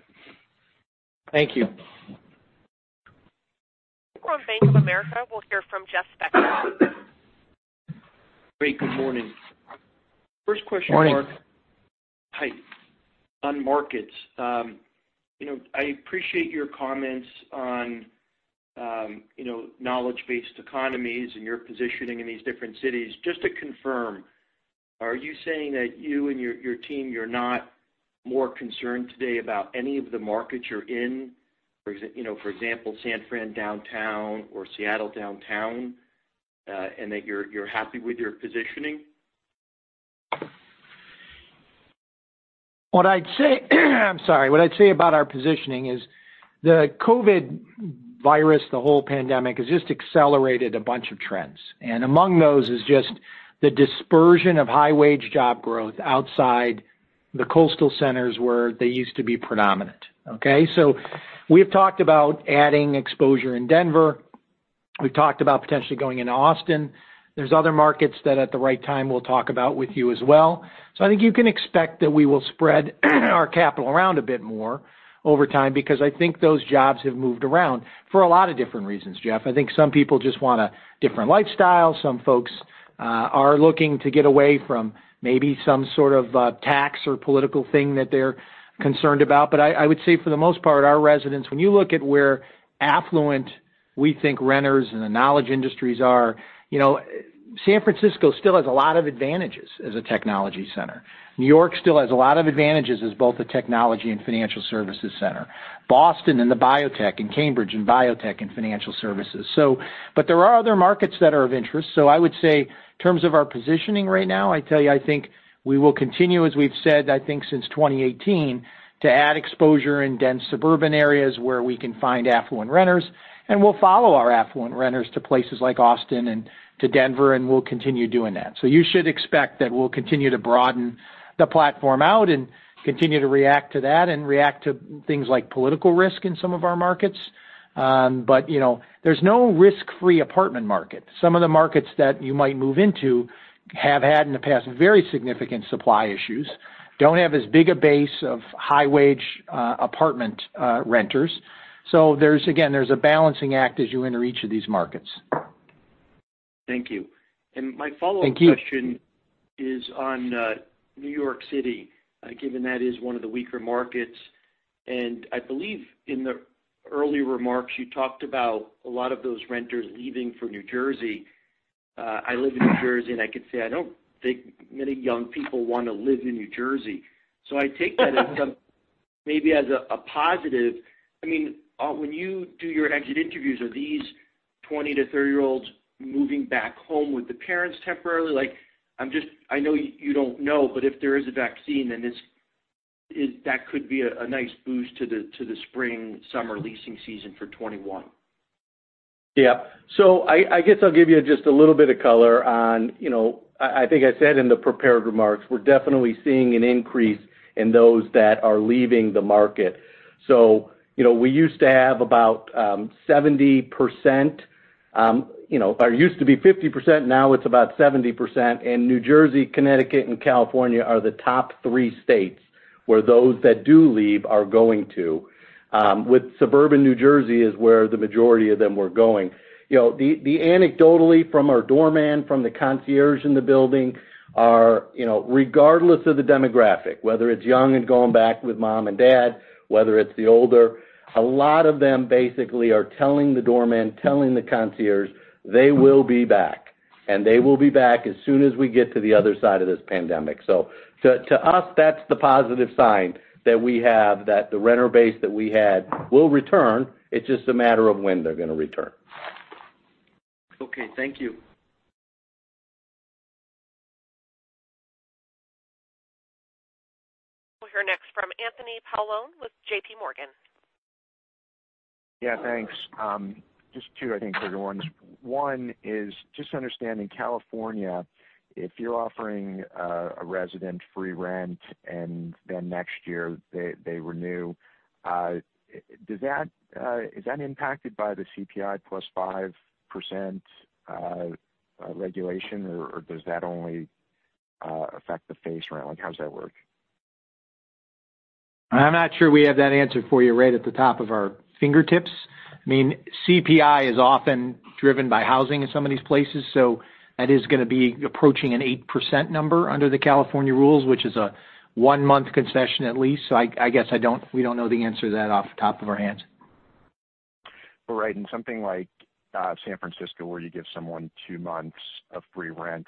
Thank you. Next from Bank of America, we'll hear from Jeff Spector. Great. Good morning. First question. Morning. Hi. On markets. I appreciate your comments on knowledge-based economies and your positioning in these different cities. Just to confirm, are you saying that you and your team, you're not more concerned today about any of the markets you're in? For example, San Fran downtown or Seattle downtown, and that you're happy with your positioning? What I'd say about our positioning is the COVID virus, the whole pandemic, has just accelerated a bunch of trends. Among those is just the dispersion of high-wage job growth outside the coastal centers where they used to be predominant. Okay, we've talked about adding exposure in Denver. We've talked about potentially going into Austin. There's other markets that at the right time we'll talk about with you as well. I think you can expect that we will spread our capital around a bit more over time because I think those jobs have moved around for a lot of different reasons, Jeff. I think some people just want a different lifestyle. Some folks are looking to get away from maybe some sort of tax or political thing that they're concerned about. I would say for the most part, our residents, when you look at where affluent we think renters in the knowledge industries are, San Francisco still has a lot of advantages as a technology center. New York still has a lot of advantages as both a technology and financial services center. Boston in the biotech, and Cambridge in biotech and financial services. There are other markets that are of interest. I would say in terms of our positioning right now, I tell you, I think we will continue, as we've said, I think since 2018, to add exposure in dense suburban areas where we can find affluent renters, and we'll follow our affluent renters to places like Austin and to Denver, and we'll continue doing that. You should expect that we'll continue to broaden the platform out and continue to react to that and react to things like political risk in some of our markets. There's no risk-free apartment market. Some of the markets that you might move into have had in the past very significant supply issues, don't have as big a base of high-wage apartment renters. There's, again, there's a balancing act as you enter each of these markets. Thank you. Thank you. My follow-up question is on New York City, given that is one of the weaker markets, and I believe in the early remarks, you talked about a lot of those renters leaving for New Jersey. I live in New Jersey, and I can say I don't think many young people want to live in New Jersey. I take that maybe as a positive. When you do your exit interviews, are these 20 to 30-year-olds moving back home with the parents temporarily? I know you don't know, but if there is a vaccine, then that could be a nice boost to the spring, summer leasing season for 2021. Yeah. I guess I'll give you just a little bit of color on, I think I said in the prepared remarks, we're definitely seeing an increase in those that are leaving the market. We used to have about 70%, or it used to be 50%, now it's about 70%, and New Jersey, Connecticut, and California are the top three states where those that do leave are going to. With suburban New Jersey is where the majority of them were going. The anecdotally from our doorman, from the concierge in the building are, regardless of the demographic, whether it's young and going back with mom and dad, whether it's the older, a lot of them basically are telling the doorman, telling the concierge they will be back, and they will be back as soon as we get to the other side of this pandemic. To us, that's the positive sign that we have that the renter base that we had will return. It's just a matter of when they're going to return. Okay. Thank you. We'll hear next from Anthony Paolone with JPMorgan. Yeah, thanks. Just two, I think, bigger ones. One is just understanding California. If you're offering a resident free rent and then next year they renew, is that impacted by the CPI plus 5% regulation, or does that only affect the face rent? How does that work? I'm not sure we have that answer for you right at the top of our fingertips. CPI is often driven by housing in some of these places, so that is going to be approaching an 8% number under the California rules, which is a one-month concession at least. I guess we don't know the answer to that off the top of our heads. Right. In something like San Francisco, where you give someone two months of free rent,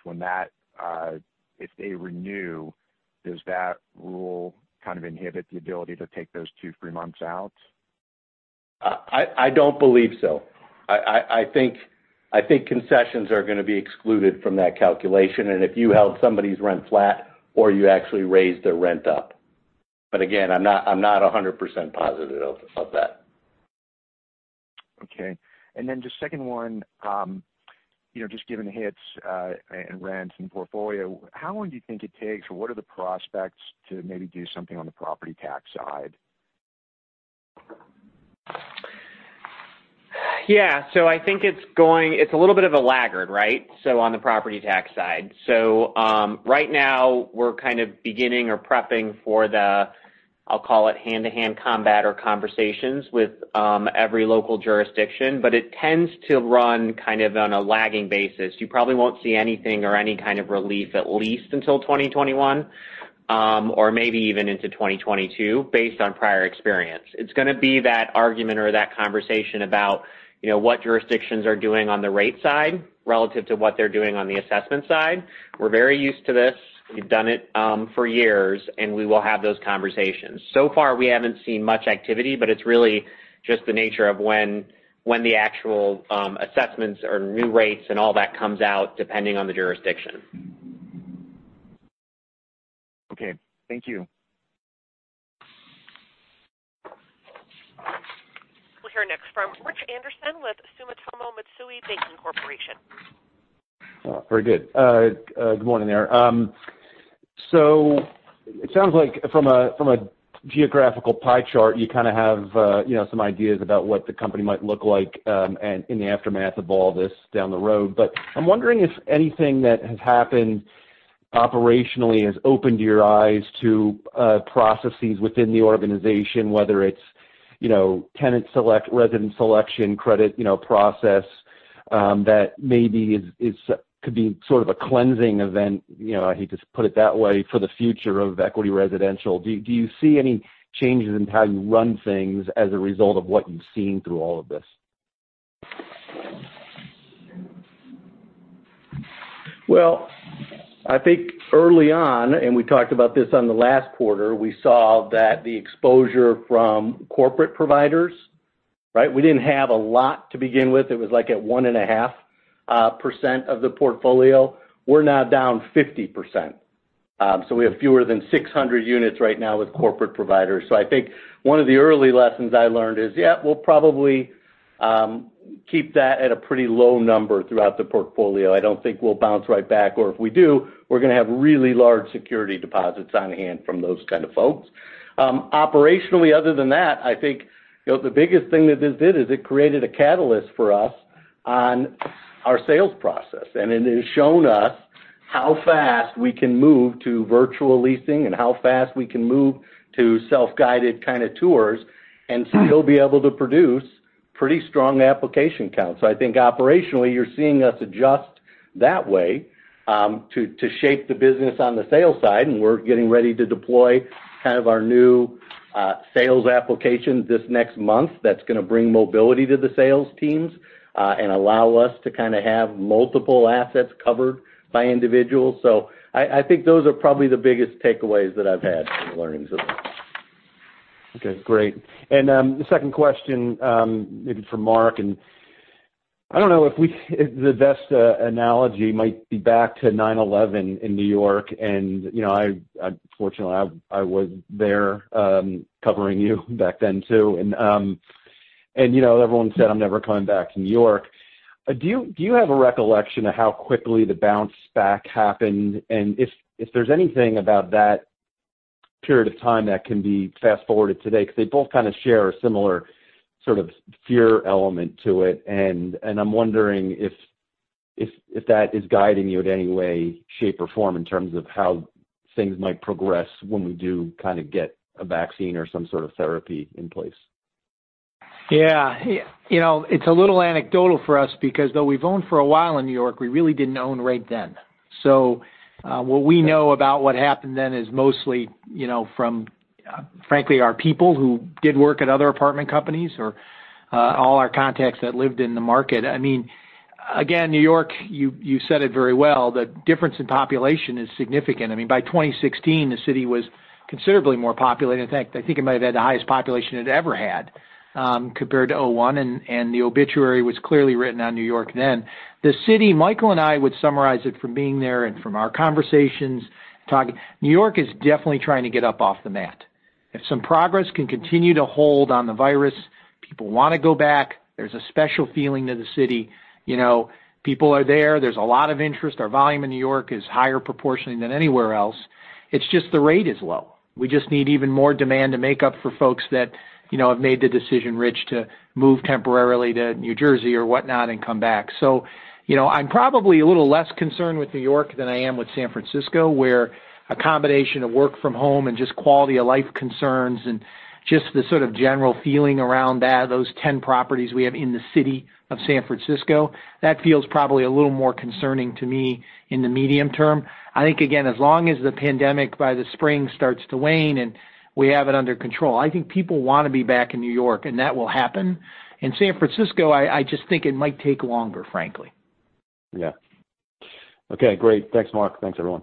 if they renew, does that rule kind of inhibit the ability to take those two free months out? I don't believe so. I think concessions are going to be excluded from that calculation, if you held somebody's rent flat or you actually raised their rent up. Again, I'm not 100% positive of that. Okay. Then just second one, just given the hits, and rents, and portfolio, how long do you think it takes, or what are the prospects to maybe do something on the property tax side? Yeah. I think it's a little bit of a laggard right, on the property tax side. Right now, we're kind of beginning or prepping for the, I'll call it hand-to-hand combat or conversations with every local jurisdiction, but it tends to run kind of on a lagging basis. You probably won't see anything or any kind of relief at least until 2021. Maybe even into 2022 based on prior experience. It's going to be that argument or that conversation about what jurisdictions are doing on the rate side relative to what they're doing on the assessment side. We're very used to this. We've done it for years, and we will have those conversations. So far we haven't seen much activity, but it's really just the nature of when the actual assessments or new rates and all that comes out, depending on the jurisdiction. Okay. Thank you. We'll hear next from Rich Anderson with Sumitomo Mitsui Banking Corporation. Very good. Good morning there. It sounds like from a geographical pie chart, you kind of have some ideas about what the company might look like in the aftermath of all this down the road. But I'm wondering if anything that has happened operationally has opened your eyes to processes within the organization, whether it's tenant select, resident selection, credit process, that maybe could be sort of a cleansing event, I hate to put it that way, for the future of Equity Residential. Do you see any changes in how you run things as a result of what you've seen through all of this? Well, I think early on, we talked about this on the last quarter, we saw that the exposure from corporate providers, right, we didn't have a lot to begin with. It was like at 1.5% of the portfolio. We're now down 50%. We have fewer than 600 units right now with corporate providers. I think one of the early lessons I learned is, yeah, we'll probably keep that at a pretty low number throughout the portfolio. I don't think we'll bounce right back, or if we do, we're going to have really large security deposits on hand from those kind of folks. Operationally, other than that, I think the biggest thing that this did is it created a catalyst for us on our sales process, and it has shown us how fast we can move to virtual leasing and how fast we can move to self-guided kind of tours and still be able to produce pretty strong application counts. I think operationally, you're seeing us adjust that way to shape the business on the sales side. We're getting ready to deploy kind of our new sales application this next month, that's going to bring mobility to the sales teams and allow us to kind of have multiple assets covered by individuals. I think those are probably the biggest takeaways that I've had from the learnings of this. Okay, great. The second question, maybe for Mark, I don't know if the best analogy might be back to 9/11 in New York. Fortunately, I was there covering you back then, too. Everyone said, "I'm never coming back to New York." Do you have a recollection of how quickly the bounce back happened? If there's anything about that period of time that can be fast-forwarded today, because they both kind of share a similar sort of fear element to it. I'm wondering if that is guiding you in any way, shape, or form in terms of how things might progress when we do kind of get a vaccine or some sort of therapy in place. Yeah. It's a little anecdotal for us because though we've owned for a while in New York, we really didn't own right then. What we know about what happened then is mostly from, frankly, our people who did work at other apartment companies or all our contacts that lived in the market. Again, New York, you said it very well, the difference in population is significant. By 2016, the city was considerably more populated. In fact, I think it might have had the highest population it ever had compared to 2001, and the obituary was clearly written on New York then. The city, Michael and I would summarize it from being there and from our conversations talking, New York is definitely trying to get up off the mat. If some progress can continue to hold on the virus, people want to go back. There's a special feeling to the city. People are there. There's a lot of interest. Our volume in New York is higher proportionally than anywhere else. It's just the rate is low. We just need even more demand to make up for folks that have made the decision, Rich, to move temporarily to New Jersey or whatnot and come back. I'm probably a little less concerned with New York than I am with San Francisco, where a combination of work from home and just quality of life concerns and just the sort of general feeling around that, those 10 properties we have in the city of San Francisco. That feels probably a little more concerning to me in the medium term. I think, again, as long as the pandemic by the spring starts to wane and we have it under control, I think people want to be back in New York, and that will happen. In San Francisco, I just think it might take longer, frankly. Yeah. Okay, great. Thanks, Mark. Thanks, everyone.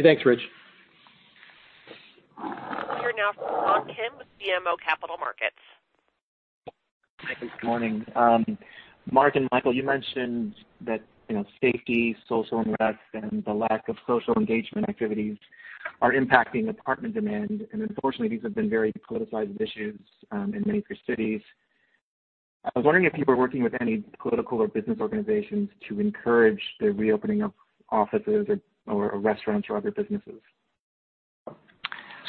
Thanks, Rich. We'll hear now from John Kim with BMO Capital Markets. Hi, good morning. Mark and Michael, you mentioned that safety, social unrest, and the lack of social engagement activities are impacting apartment demand, unfortunately, these have been very politicized issues in many cities. I was wondering if you were working with any political or business organizations to encourage the reopening of offices or restaurants or other businesses?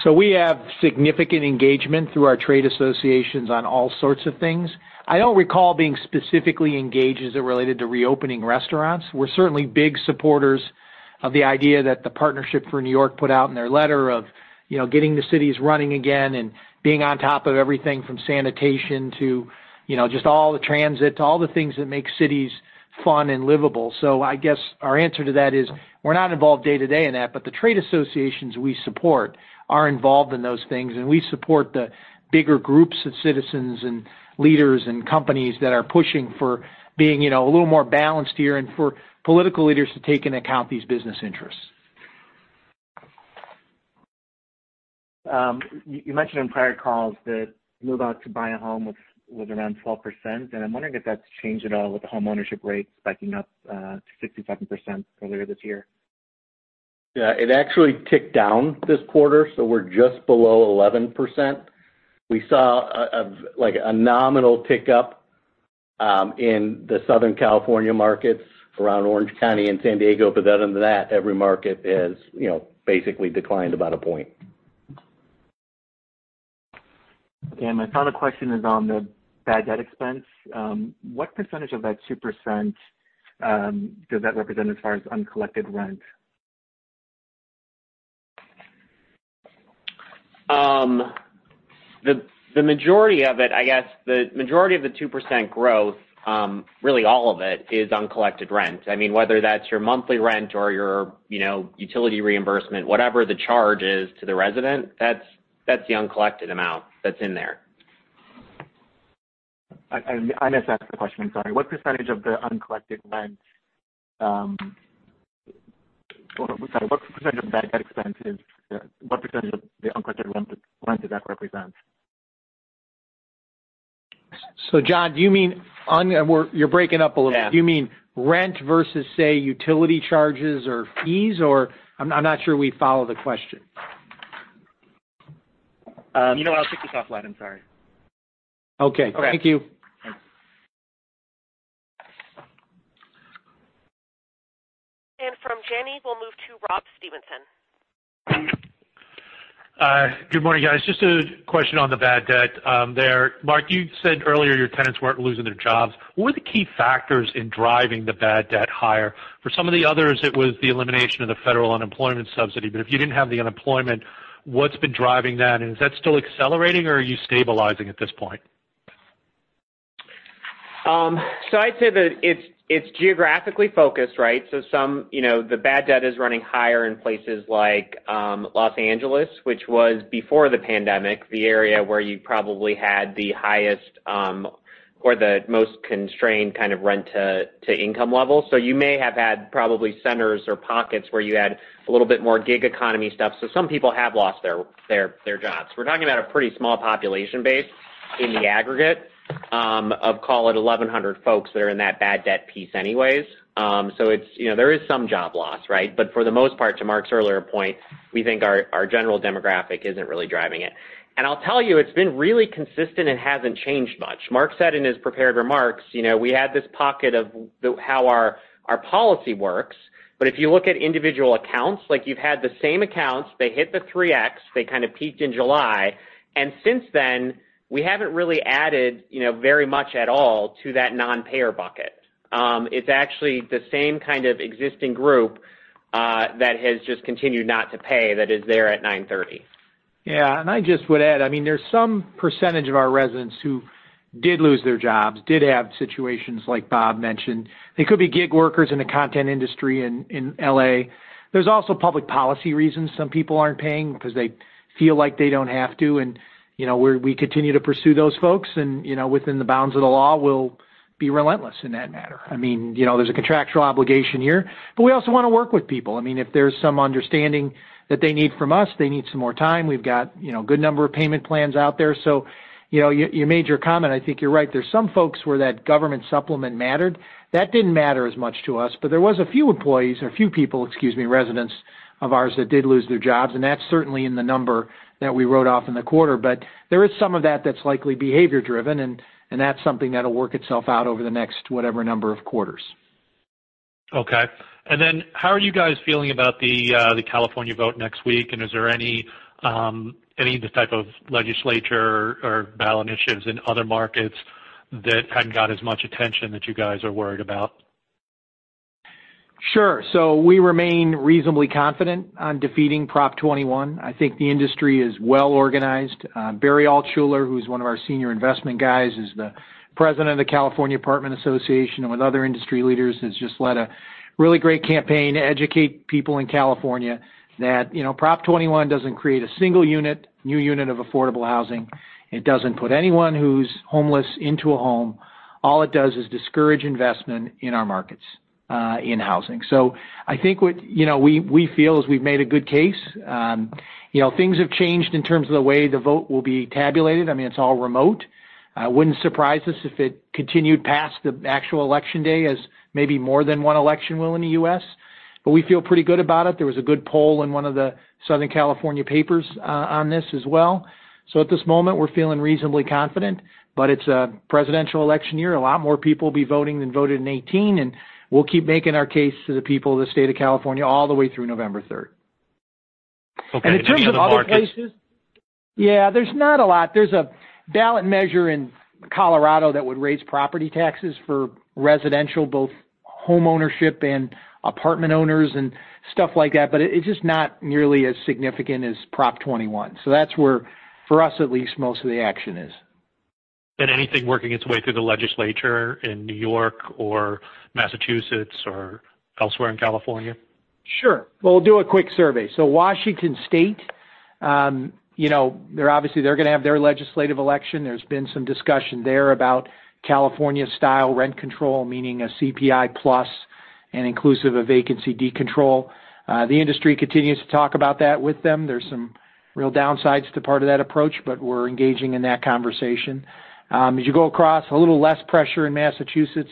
We have significant engagement through our trade associations on all sorts of things. I don't recall being specifically engaged as it related to reopening restaurants. We're certainly big supporters of the idea that Partnership for New York City put out in their letter of. Getting the cities running again and being on top of everything from sanitation to just all the transit to all the things that make cities fun and livable. I guess our answer to that is we're not involved day-to-day in that, but the trade associations we support are involved in those things, and we support the bigger groups of citizens and leaders and companies that are pushing for being a little more balanced here, and for political leaders to take into account these business interests. You mentioned in prior calls that move-out to buy a home was around 12%, and I'm wondering if that's changed at all with the home ownership rate spiking up to 67% earlier this year. Yeah. It actually ticked down this quarter, so we're just below 11%. We saw a nominal tick up in the Southern California markets around Orange County and San Diego. Other than that, every market has basically declined about a point. Okay. My final question is on the bad debt expense. What percentage of that 2% does that represent as far as uncollected rent? The majority of the 2% growth, really all of it, is uncollected rent. Whether that's your monthly rent or your utility reimbursement, whatever the charge is to the resident, that's the uncollected amount that's in there. I misasked the question. I'm sorry. What percentage of the uncollected rent does that represent? John, you're breaking up a little. Yeah. Do you mean rent versus, say, utility charges or fees, or I'm not sure we follow the question. You know what? I'll take this offline. I'm sorry. Okay. Thank you. Okay. Thanks. From Janney, we'll move to Rob Stevenson. Good morning, guys. Just a question on the bad debt there. Mark, you said earlier your tenants weren't losing their jobs. What were the key factors in driving the bad debt higher? For some of the others, it was the elimination of the federal unemployment subsidy. If you didn't have the unemployment, what's been driving that? Is that still accelerating, or are you stabilizing at this point? I'd say that it's geographically focused, right? The bad debt is running higher in places like Los Angeles, which was, before the pandemic, the area where you probably had the highest or the most constrained kind of rent-to-income level. You may have had probably centers or pockets where you had a little bit more gig economy stuff. Some people have lost their jobs. We're talking about a pretty small population base in the aggregate of, call it 1,100 folks that are in that bad debt piece anyways. There is some job loss, right? For the most part, to Mark's earlier point, we think our general demographic isn't really driving it. I'll tell you, it's been really consistent and hasn't changed much. Mark said in his prepared remarks we had this pocket of how our policy works. If you look at individual accounts, like you've had the same accounts, they hit the 3x, they kind of peaked in July. Since then, we haven't really added very much at all to that non-payer bucket. It's actually the same kind of existing group that has just continued not to pay that is there at 9/30. Yeah. I just would add, there's some percentage of our residents who did lose their jobs, did have situations like Bob mentioned. They could be gig workers in the content industry in L.A. There's also public policy reasons some people aren't paying because they feel like they don't have to. We continue to pursue those folks, and within the bounds of the law, we'll be relentless in that matter. There's a contractual obligation here. We also want to work with people. If there's some understanding that they need from us, they need some more time, we've got a good number of payment plans out there. You made your comment. I think you're right. There's some folks where that government supplement mattered. That didn't matter as much to us, but there was a few people, residents of ours that did lose their jobs, and that's certainly in the number that we wrote off in the quarter. There is some of that that's likely behavior-driven, and that's something that'll work itself out over the next whatever number of quarters. Okay. How are you guys feeling about the California vote next week? Is there any type of legislature or ballot initiatives in other markets that haven't got as much attention that you guys are worried about? Sure. We remain reasonably confident on defeating Prop 21. I think the industry is well-organized. Barry Altshuler, who's one of our senior investment guys, is the president of the California Apartment Association, and with other industry leaders, has just led a really great campaign to educate people in California that Prop 21 doesn't create a single unit, new unit of affordable housing. It doesn't put anyone who's homeless into a home. All it does is discourage investment in our markets in housing. I think what we feel is we've made a good case. Things have changed in terms of the way the vote will be tabulated. It's all remote. Wouldn't surprise us if it continued past the actual election day as maybe more than one election will in the U.S., but we feel pretty good about it. There was a good poll in one of the Southern California papers on this as well. At this moment, we're feeling reasonably confident. It's a presidential election year. A lot more people will be voting than voted in 2018, and we'll keep making our case to the people of the state of California all the way through November 3rd. Okay. In terms of other places, yeah, there's not a lot. There's a ballot measure in Colorado that would raise property taxes for residential, both home ownership and apartment owners and stuff like that, but it's just not nearly as significant as Prop 21. That's where, for us at least, most of the action is. Anything working its way through the legislature in New York or Massachusetts or elsewhere in California? Sure. We'll do a quick survey. Washington State, obviously they're going to have their legislative election. There's been some discussion there about California-style rent control, meaning a CPI plus and inclusive of vacancy decontrol. The industry continues to talk about that with them. There's some real downsides to part of that approach, but we're engaging in that conversation. As you go across, a little less pressure in Massachusetts.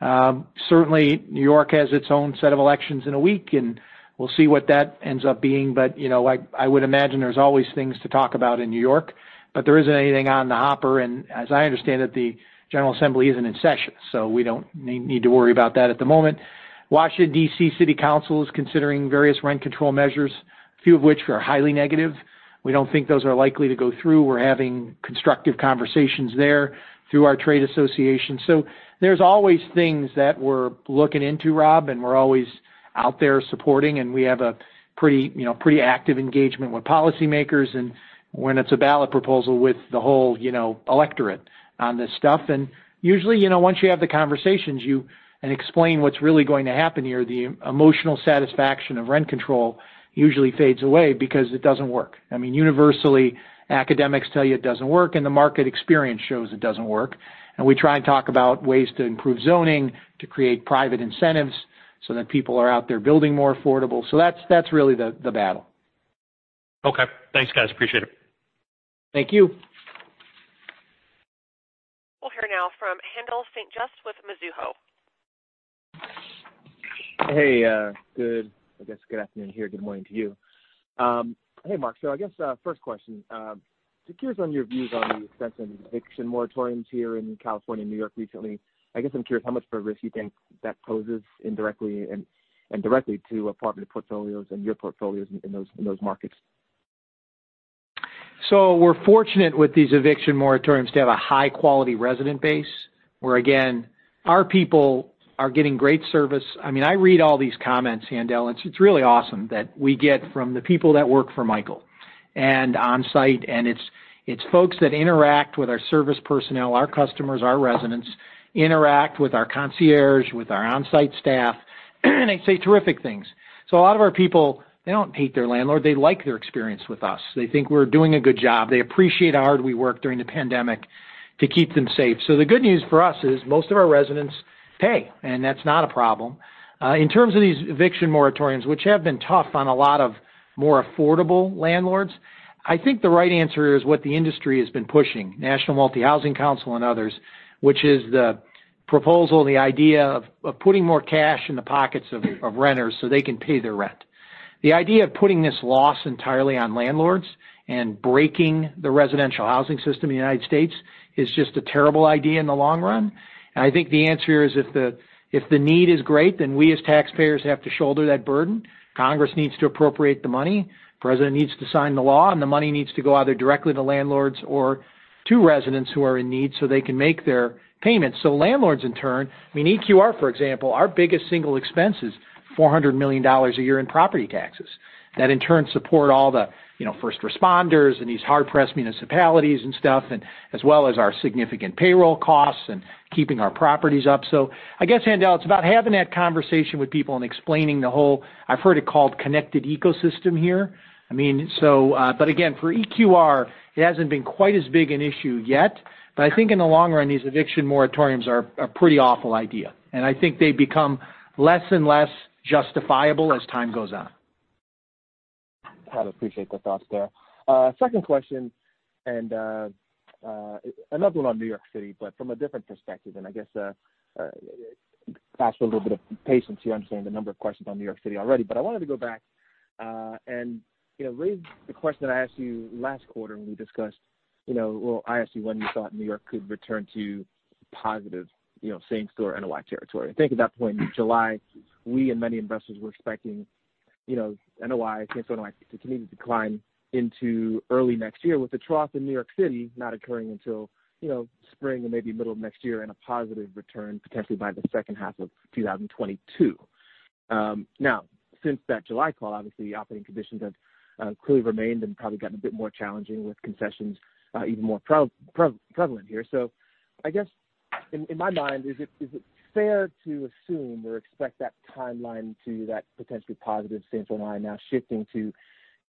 Certainly, New York has its own set of elections in a week, and we'll see what that ends up being. I would imagine there's always things to talk about in New York, but there isn't anything on the hopper, and as I understand it, the General Assembly isn't in session, so we don't need to worry about that at the moment. Washington, D.C. City Council is considering various rent control measures, a few of which are highly negative. We don't think those are likely to go through. We're having constructive conversations there through our trade association. There's always things that we're looking into, Rob, and we're always out there supporting, and we have a pretty active engagement with policymakers and when it's a ballot proposal with the whole electorate on this stuff. Usually, once you have the conversations and explain what's really going to happen here, the emotional satisfaction of rent control usually fades away because it doesn't work. Universally, academics tell you it doesn't work, and the market experience shows it doesn't work. We try and talk about ways to improve zoning, to create private incentives so that people are out there building more affordable. That's really the battle. Okay. Thanks, guys. Appreciate it. Thank you. We'll hear now from Haendel St. Juste with Mizuho. Hey. Good afternoon here. Good morning to you. Hey, Mark. I guess, first question, just curious on your views on the extensive eviction moratoriums here in California and New York recently. I guess I'm curious how much of a risk you think that poses indirectly and directly to apartment portfolios and your portfolios in those markets. We're fortunate with these eviction moratoriums to have a high-quality resident base, where, again, our people are getting great service. I read all these comments, Haendel. It's really awesome that we get from the people that work for Michael and on-site, and it's folks that interact with our service personnel, our customers, our residents, interact with our concierge, with our on-site staff, and they say terrific things. A lot of our people, they don't hate their landlord. They like their experience with us. They think we're doing a good job. They appreciate how hard we work during the pandemic to keep them safe. The good news for us is most of our residents pay, and that's not a problem. In terms of these eviction moratoriums, which have been tough on a lot of more affordable landlords, I think the right answer is what the industry has been pushing, National Multifamily Housing Council and others, which is the proposal, the idea of putting more cash in the pockets of renters so they can pay their rent. The idea of putting this loss entirely on landlords and breaking the residential housing system in the U.S. is just a terrible idea in the long run. I think the answer is if the need is great, then we as taxpayers have to shoulder that burden. Congress needs to appropriate the money, president needs to sign the law, and the money needs to go either directly to landlords or to residents who are in need so they can make their payments. Landlords, in turn-- EQR, for example, our biggest single expense is $400 million a year in property taxes. That in turn support all the first responders in these hard-pressed municipalities and stuff, and as well as our significant payroll costs and keeping our properties up. I guess, Haendel, it's about having that conversation with people and explaining the whole, I've heard it called connected ecosystem here. Again, for EQR, it hasn't been quite as big an issue yet. I think in the long run, these eviction moratoriums are a pretty awful idea, and I think they become less and less justifiable as time goes on. I appreciate the thoughts there. Second question, another one on New York City, from a different perspective, I guess ask for a little bit of patience here, understanding the number of questions on New York City already. I wanted to go back and raise the question that I asked you last quarter when we discussed, well, I asked you when you thought New York could return to positive same-store NOI territory. I think at that point in July, we and many investors were expecting NOI to continue to decline into early next year, with the trough in New York City not occurring until spring or maybe middle of next year and a positive return potentially by the second half of 2022. Since that July call, obviously operating conditions have clearly remained and probably gotten a bit more challenging with concessions even more prevalent here. I guess in my mind, is it fair to assume or expect that timeline to that potentially positive same NOI now shifting to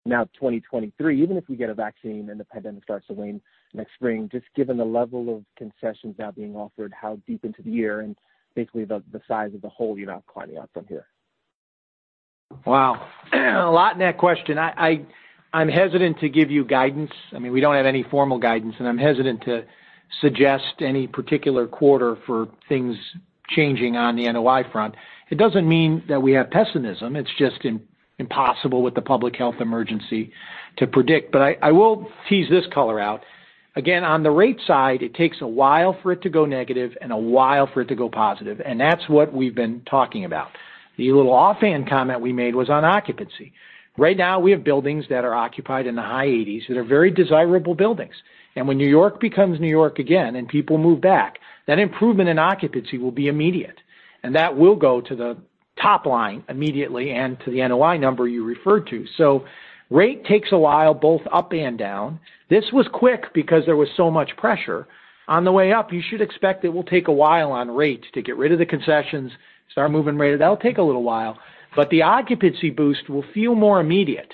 now 2023, even if we get a vaccine and the pandemic starts to wane next spring, just given the level of concessions now being offered, how deep into the year and basically the size of the hole you're now climbing out from here? Wow. A lot in that question. I'm hesitant to give you guidance. We don't have any formal guidance, and I'm hesitant to suggest any particular quarter for things changing on the NOI front. It doesn't mean that we have pessimism. It's just impossible with the public health emergency to predict. I will tease this color out. Again, on the rate side, it takes a while for it to go negative and a while for it to go positive, and that's what we've been talking about. The little offhand comment we made was on occupancy. Right now, we have buildings that are occupied in the high 80s that are very desirable buildings. When New York becomes New York again and people move back, that improvement in occupancy will be immediate, and that will go to the top line immediately and to the NOI number you referred to. Rate takes a while, both up and down. This was quick because there was so much pressure. On the way up, you should expect it will take a while on rates to get rid of the concessions, start moving rate. That'll take a little while. The occupancy boost will feel more immediate.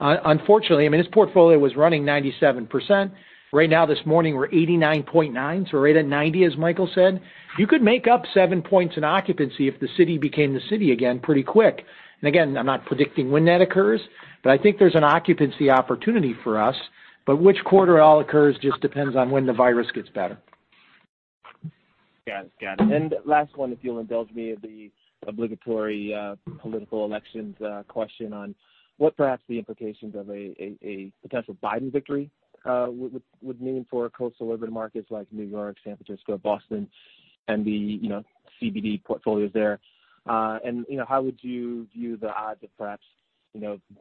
Unfortunately, I mean, this portfolio was running 97%. Right now, this morning, we're 89.9, so right at 90, as Michael said. You could make up seven points in occupancy if the city became the city again pretty quick. Again, I'm not predicting when that occurs, but I think there's an occupancy opportunity for us. Which quarter it all occurs just depends on when the virus gets better. Got it. Last one, if you'll indulge me of the obligatory political elections question on what perhaps the implications of a potential Biden victory would mean for coastal urban markets like New York, San Francisco, Boston, and the CBD portfolios there. How would you view the odds of perhaps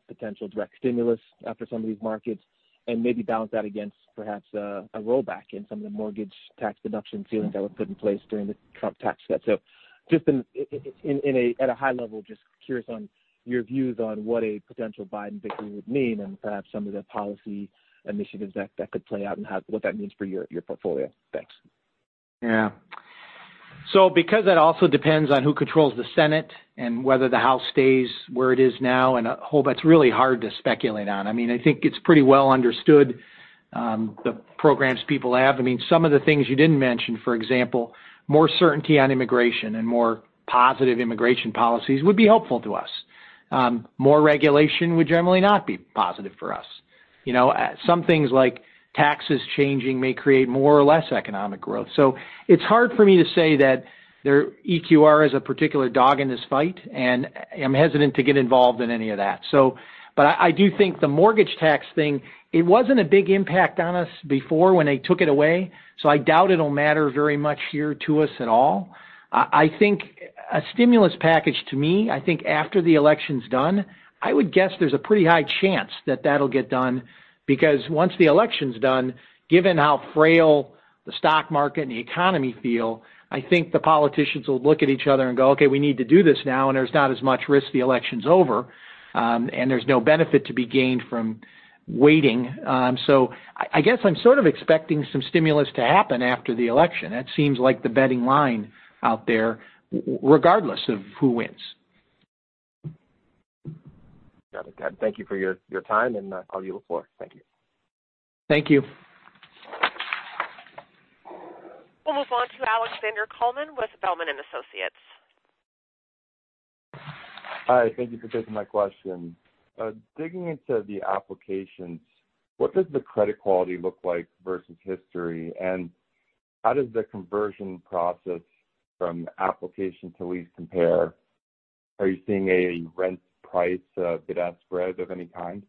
potential direct stimulus after some of these markets, and maybe balance that against perhaps a rollback in some of the mortgage tax deduction ceilings that were put in place during the Trump tax cut. At a high level, just curious on your views on what a potential Biden victory would mean, and perhaps some of the policy initiatives that could play out, and what that means for your portfolio. Thanks. Yeah. Because that also depends on who controls the Senate and whether the House stays where it is now. It's really hard to speculate on. I think it's pretty well understood the programs people have. Some of the things you didn't mention, for example, more certainty on immigration and more positive immigration policies would be helpful to us. More regulation would generally not be positive for us. Some things like taxes changing may create more or less economic growth. It's hard for me to say that EQR is a particular dog in this fight, and I'm hesitant to get involved in any of that. I do think the mortgage tax thing, it wasn't a big impact on us before when they took it away, so I doubt it'll matter very much here to us at all. A stimulus package, to me, I think after the election's done, I would guess there's a pretty high chance that that'll get done because once the election's done, given how frail the stock market and the economy feel, I think the politicians will look at each other and go, "Okay, we need to do this now," and there's not as much risk the election's over, and there's no benefit to be gained from waiting. I guess I'm sort of expecting some stimulus to happen after the election. That seems like the betting line out there, regardless of who wins. Got it. Thank you for your time, and I'll yield the floor. Thank you. Thank you. We'll move on to Alexander Kalmus of Zelman & Associates. Hi, thank you for taking my question. Digging into the applications, what does the credit quality look like versus history? How does the conversion process from application to lease compare? Are you seeing a rent price bid-ask spread of any kind?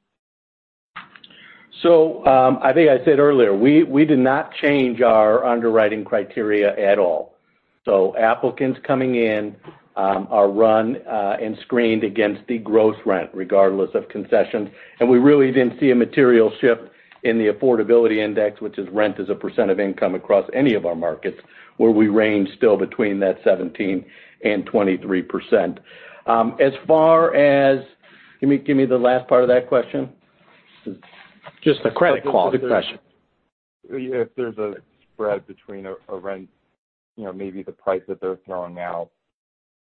I think I said earlier, we did not change our underwriting criteria at all. Applicants coming in are run and screened against the gross rent regardless of concessions. We really didn't see a material shift in the affordability index, which is rent as a percent of income across any of our markets, where we range still between that 17% and 23%. As far as. Give me the last part of that question. Just the credit quality question. If there's a spread between a rent, maybe the price that they're throwing out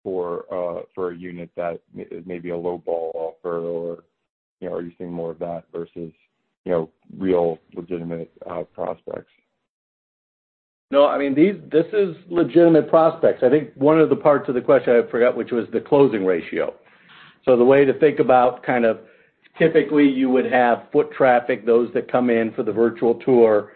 for a unit that may be a low-ball offer or are you seeing more of that versus real legitimate prospects? No, this is legitimate prospects. I think one of the parts of the question I forgot, which was the closing ratio. The way to think about kind of typically you would have foot traffic, those that come in for the virtual tour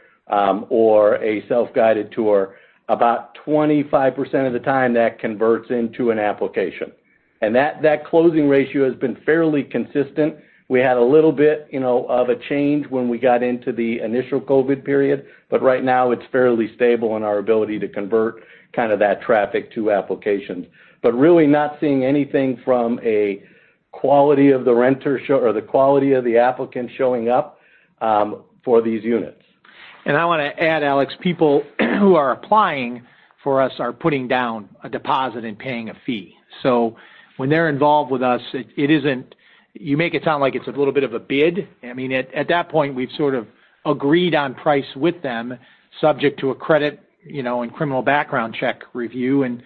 or a self-guided tour. About 25% of the time, that converts into an application. That closing ratio has been fairly consistent. We had a little bit of a change when we got into the initial COVID period. Right now, it's fairly stable in our ability to convert kind of that traffic to applications. Really not seeing anything from a quality of the renter or the quality of the applicant showing up for these units. I want to add, Alex, people who are applying for us are putting down a deposit and paying a fee. When they're involved with us, you make it sound like it's a little bit of a bid. At that point, we've sort of agreed on price with them, subject to a credit and criminal background check review.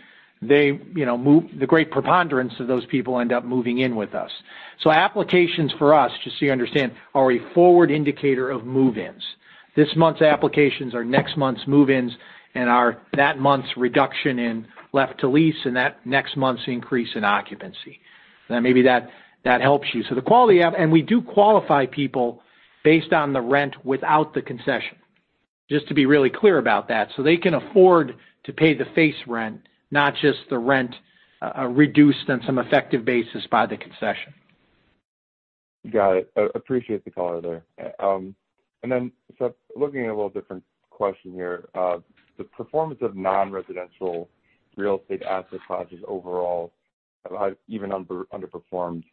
The great preponderance of those people end up moving in with us. Applications for us, just so you understand, are a forward indicator of move-ins. This month's applications are next month's move-ins and are that month's reduction in left to lease and that next month's increase in occupancy. Maybe that helps you. We do qualify people based on the rent without the concession, just to be really clear about that. They can afford to pay the face rent, not just the rent reduced on some effective basis by the concession. Got it. Appreciate the color there. Looking at a little different question here. The performance of non-residential real estate asset classes overall, even underperformed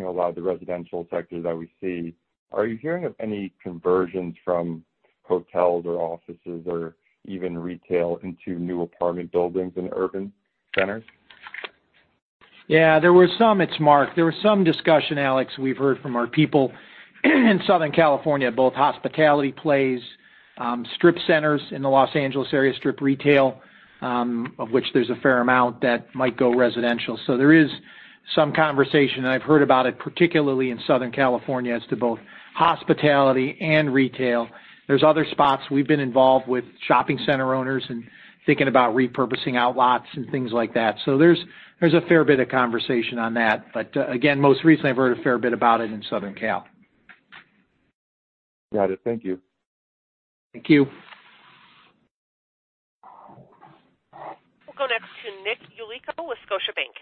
a lot of the residential sectors that we see. Are you hearing of any conversions from hotels or offices or even retail into new apartment buildings in urban centers? Yeah, there was some. It's Mark. There was some discussion, Alex, we've heard from our people in Southern California, both hospitality plays, strip centers in the Los Angeles area, strip retail, of which there's a fair amount that might go residential. There is some conversation, and I've heard about it particularly in Southern California as to both hospitality and retail. There's other spots we've been involved with shopping center owners and thinking about repurposing outlots and things like that. There's a fair bit of conversation on that. Again, most recently I've heard a fair bit about it in Southern Cal. Got it. Thank you. Thank you. We'll go next to Nick Yulico with Scotiabank.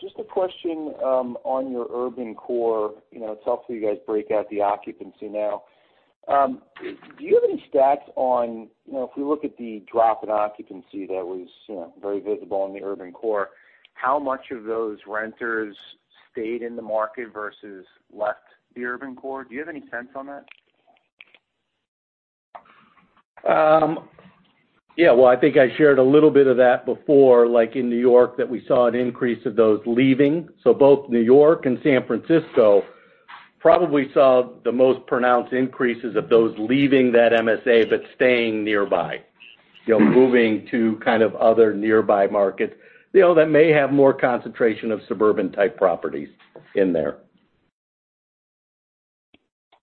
Just a question on your urban core. It's helpful you guys break out the occupancy now. Do you have any stats on, if we look at the drop in occupancy that was very visible in the urban core, how much of those renters stayed in the market versus left the urban core? Do you have any sense on that? Yeah. Well, I think I shared a little bit of that before, like in New York, that we saw an increase of those leaving. Both New York and San Francisco probably saw the most pronounced increases of those leaving that MSA, but staying nearby. Moving to kind of other nearby markets. That may have more concentration of suburban-type properties in there.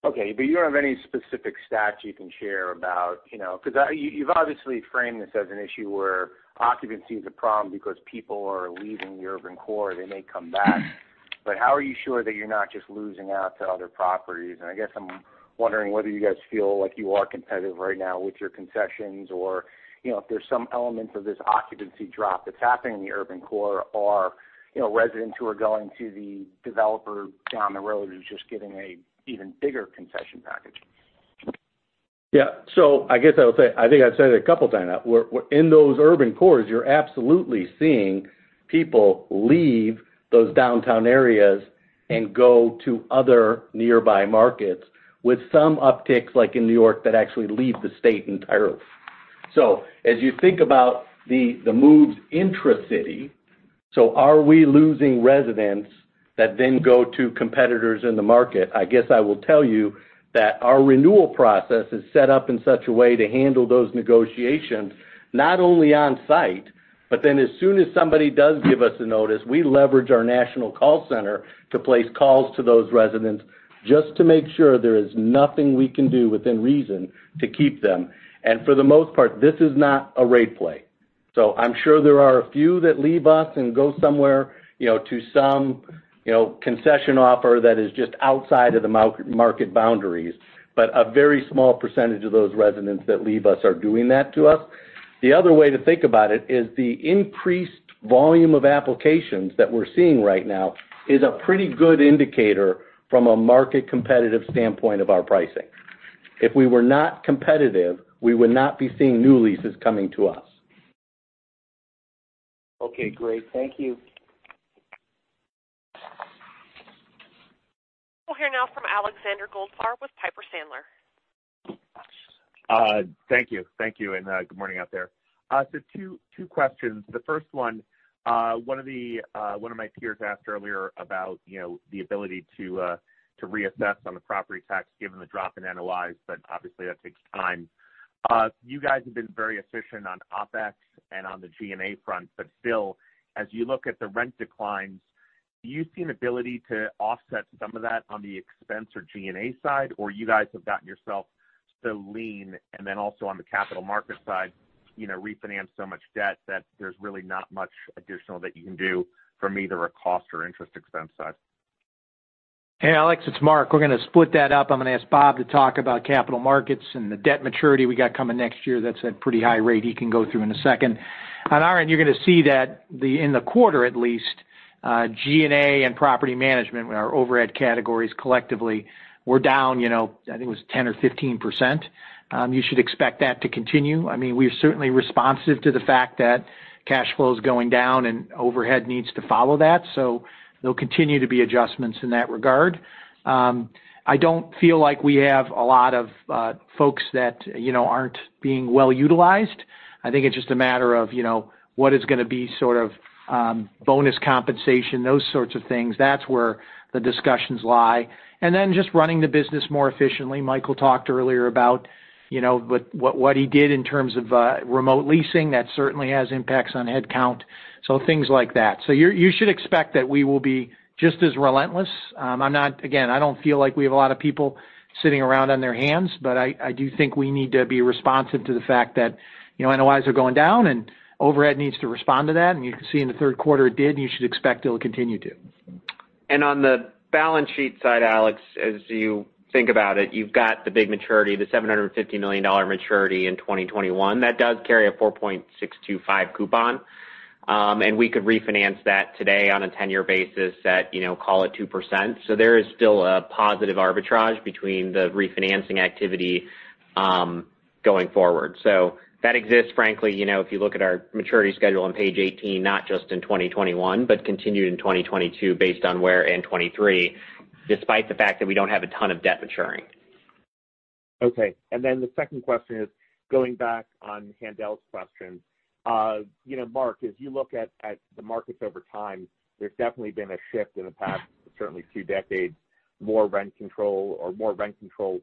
Okay, you don't have any specific stats you can share about Because you've obviously framed this as an issue where occupancy is a problem because people are leaving the urban core. They may come back, but how are you sure that you're not just losing out to other properties? I guess I'm wondering whether you guys feel like you are competitive right now with your concessions or, if there's some elements of this occupancy drop that's happening in the urban core are residents who are going to the developer down the road who's just giving a even bigger concession package. Yeah. I guess I would say, I think I've said it a couple times now. In those urban cores, you're absolutely seeing people leave those downtown areas and go to other nearby markets with some upticks like in New York that actually leave the state entirely. As you think about the moves intra-city, so are we losing residents that then go to competitors in the market? I guess I will tell you that our renewal process is set up in such a way to handle those negotiations, not only on site, but then as soon as somebody does give us a notice, we leverage our national call center to place calls to those residents just to make sure there is nothing we can do within reason to keep them. For the most part, this is not a rate play. I'm sure there are a few that leave us and go somewhere, to some concession offer that is just outside of the market boundaries. A very small percentage of those residents that leave us are doing that to us. The other way to think about it is the increased volume of applications that we're seeing right now is a pretty good indicator from a market competitive standpoint of our pricing. If we were not competitive, we would not be seeing new leases coming to us. Okay, great. Thank you. We'll hear now from Alexander Goldfarb with Piper Sandler. Thank you. Thank you. Good morning out there. Two questions. The first one of my peers asked earlier about the ability to reassess on the property tax given the drop in NOIs. Obviously that takes time. You guys have been very efficient on OpEx and on the G&A front. Still, as you look at the rent declines, do you see an ability to offset some of that on the expense or G&A side, or you guys have gotten yourself so lean, and then also on the capital market side, refinance so much debt that there's really not much additional that you can do from either a cost or interest expense side? Hey, Alex, it's Mark. We're going to split that up. I'm going to ask Bob to talk about capital markets and the debt maturity we got coming next year that's at pretty high rate. He can go through in a second. On our end, you're going to see that in the quarter at least, G&A and property management, our overhead categories collectively were down, I think it was 10 or 15%. You should expect that to continue. We're certainly responsive to the fact that cash flow is going down and overhead needs to follow that. There'll continue to be adjustments in that regard. I don't feel like we have a lot of folks that aren't being well utilized. I think it's just a matter of what is going to be sort of bonus compensation, those sorts of things. That's where the discussions lie. Just running the business more efficiently. Michael talked earlier about what he did in terms of remote leasing. That certainly has impacts on headcount. Things like that. You should expect that we will be just as relentless. Again, I don't feel like we have a lot of people sitting around on their hands, but I do think we need to be responsive to the fact that NOIs are going down and overhead needs to respond to that. You can see in the third quarter it did, and you should expect it'll continue to. On the balance sheet side, Alex, as you think about it, you've got the big maturity, the $750 million maturity in 2021. That does carry a 4.625 coupon. We could refinance that today on a 10-year basis at, call it 2%. There is still a positive arbitrage between the refinancing activity going forward. That exists, frankly, if you look at our maturity schedule on page 18, not just in 2021, but continued in 2022 based on where in 2023, despite the fact that we don't have a ton of debt maturing. Okay. The second question is going back on Haendel's question. Mark, as you look at the markets over time, there's definitely been a shift in the past, certainly two decades, more rent control or more rent control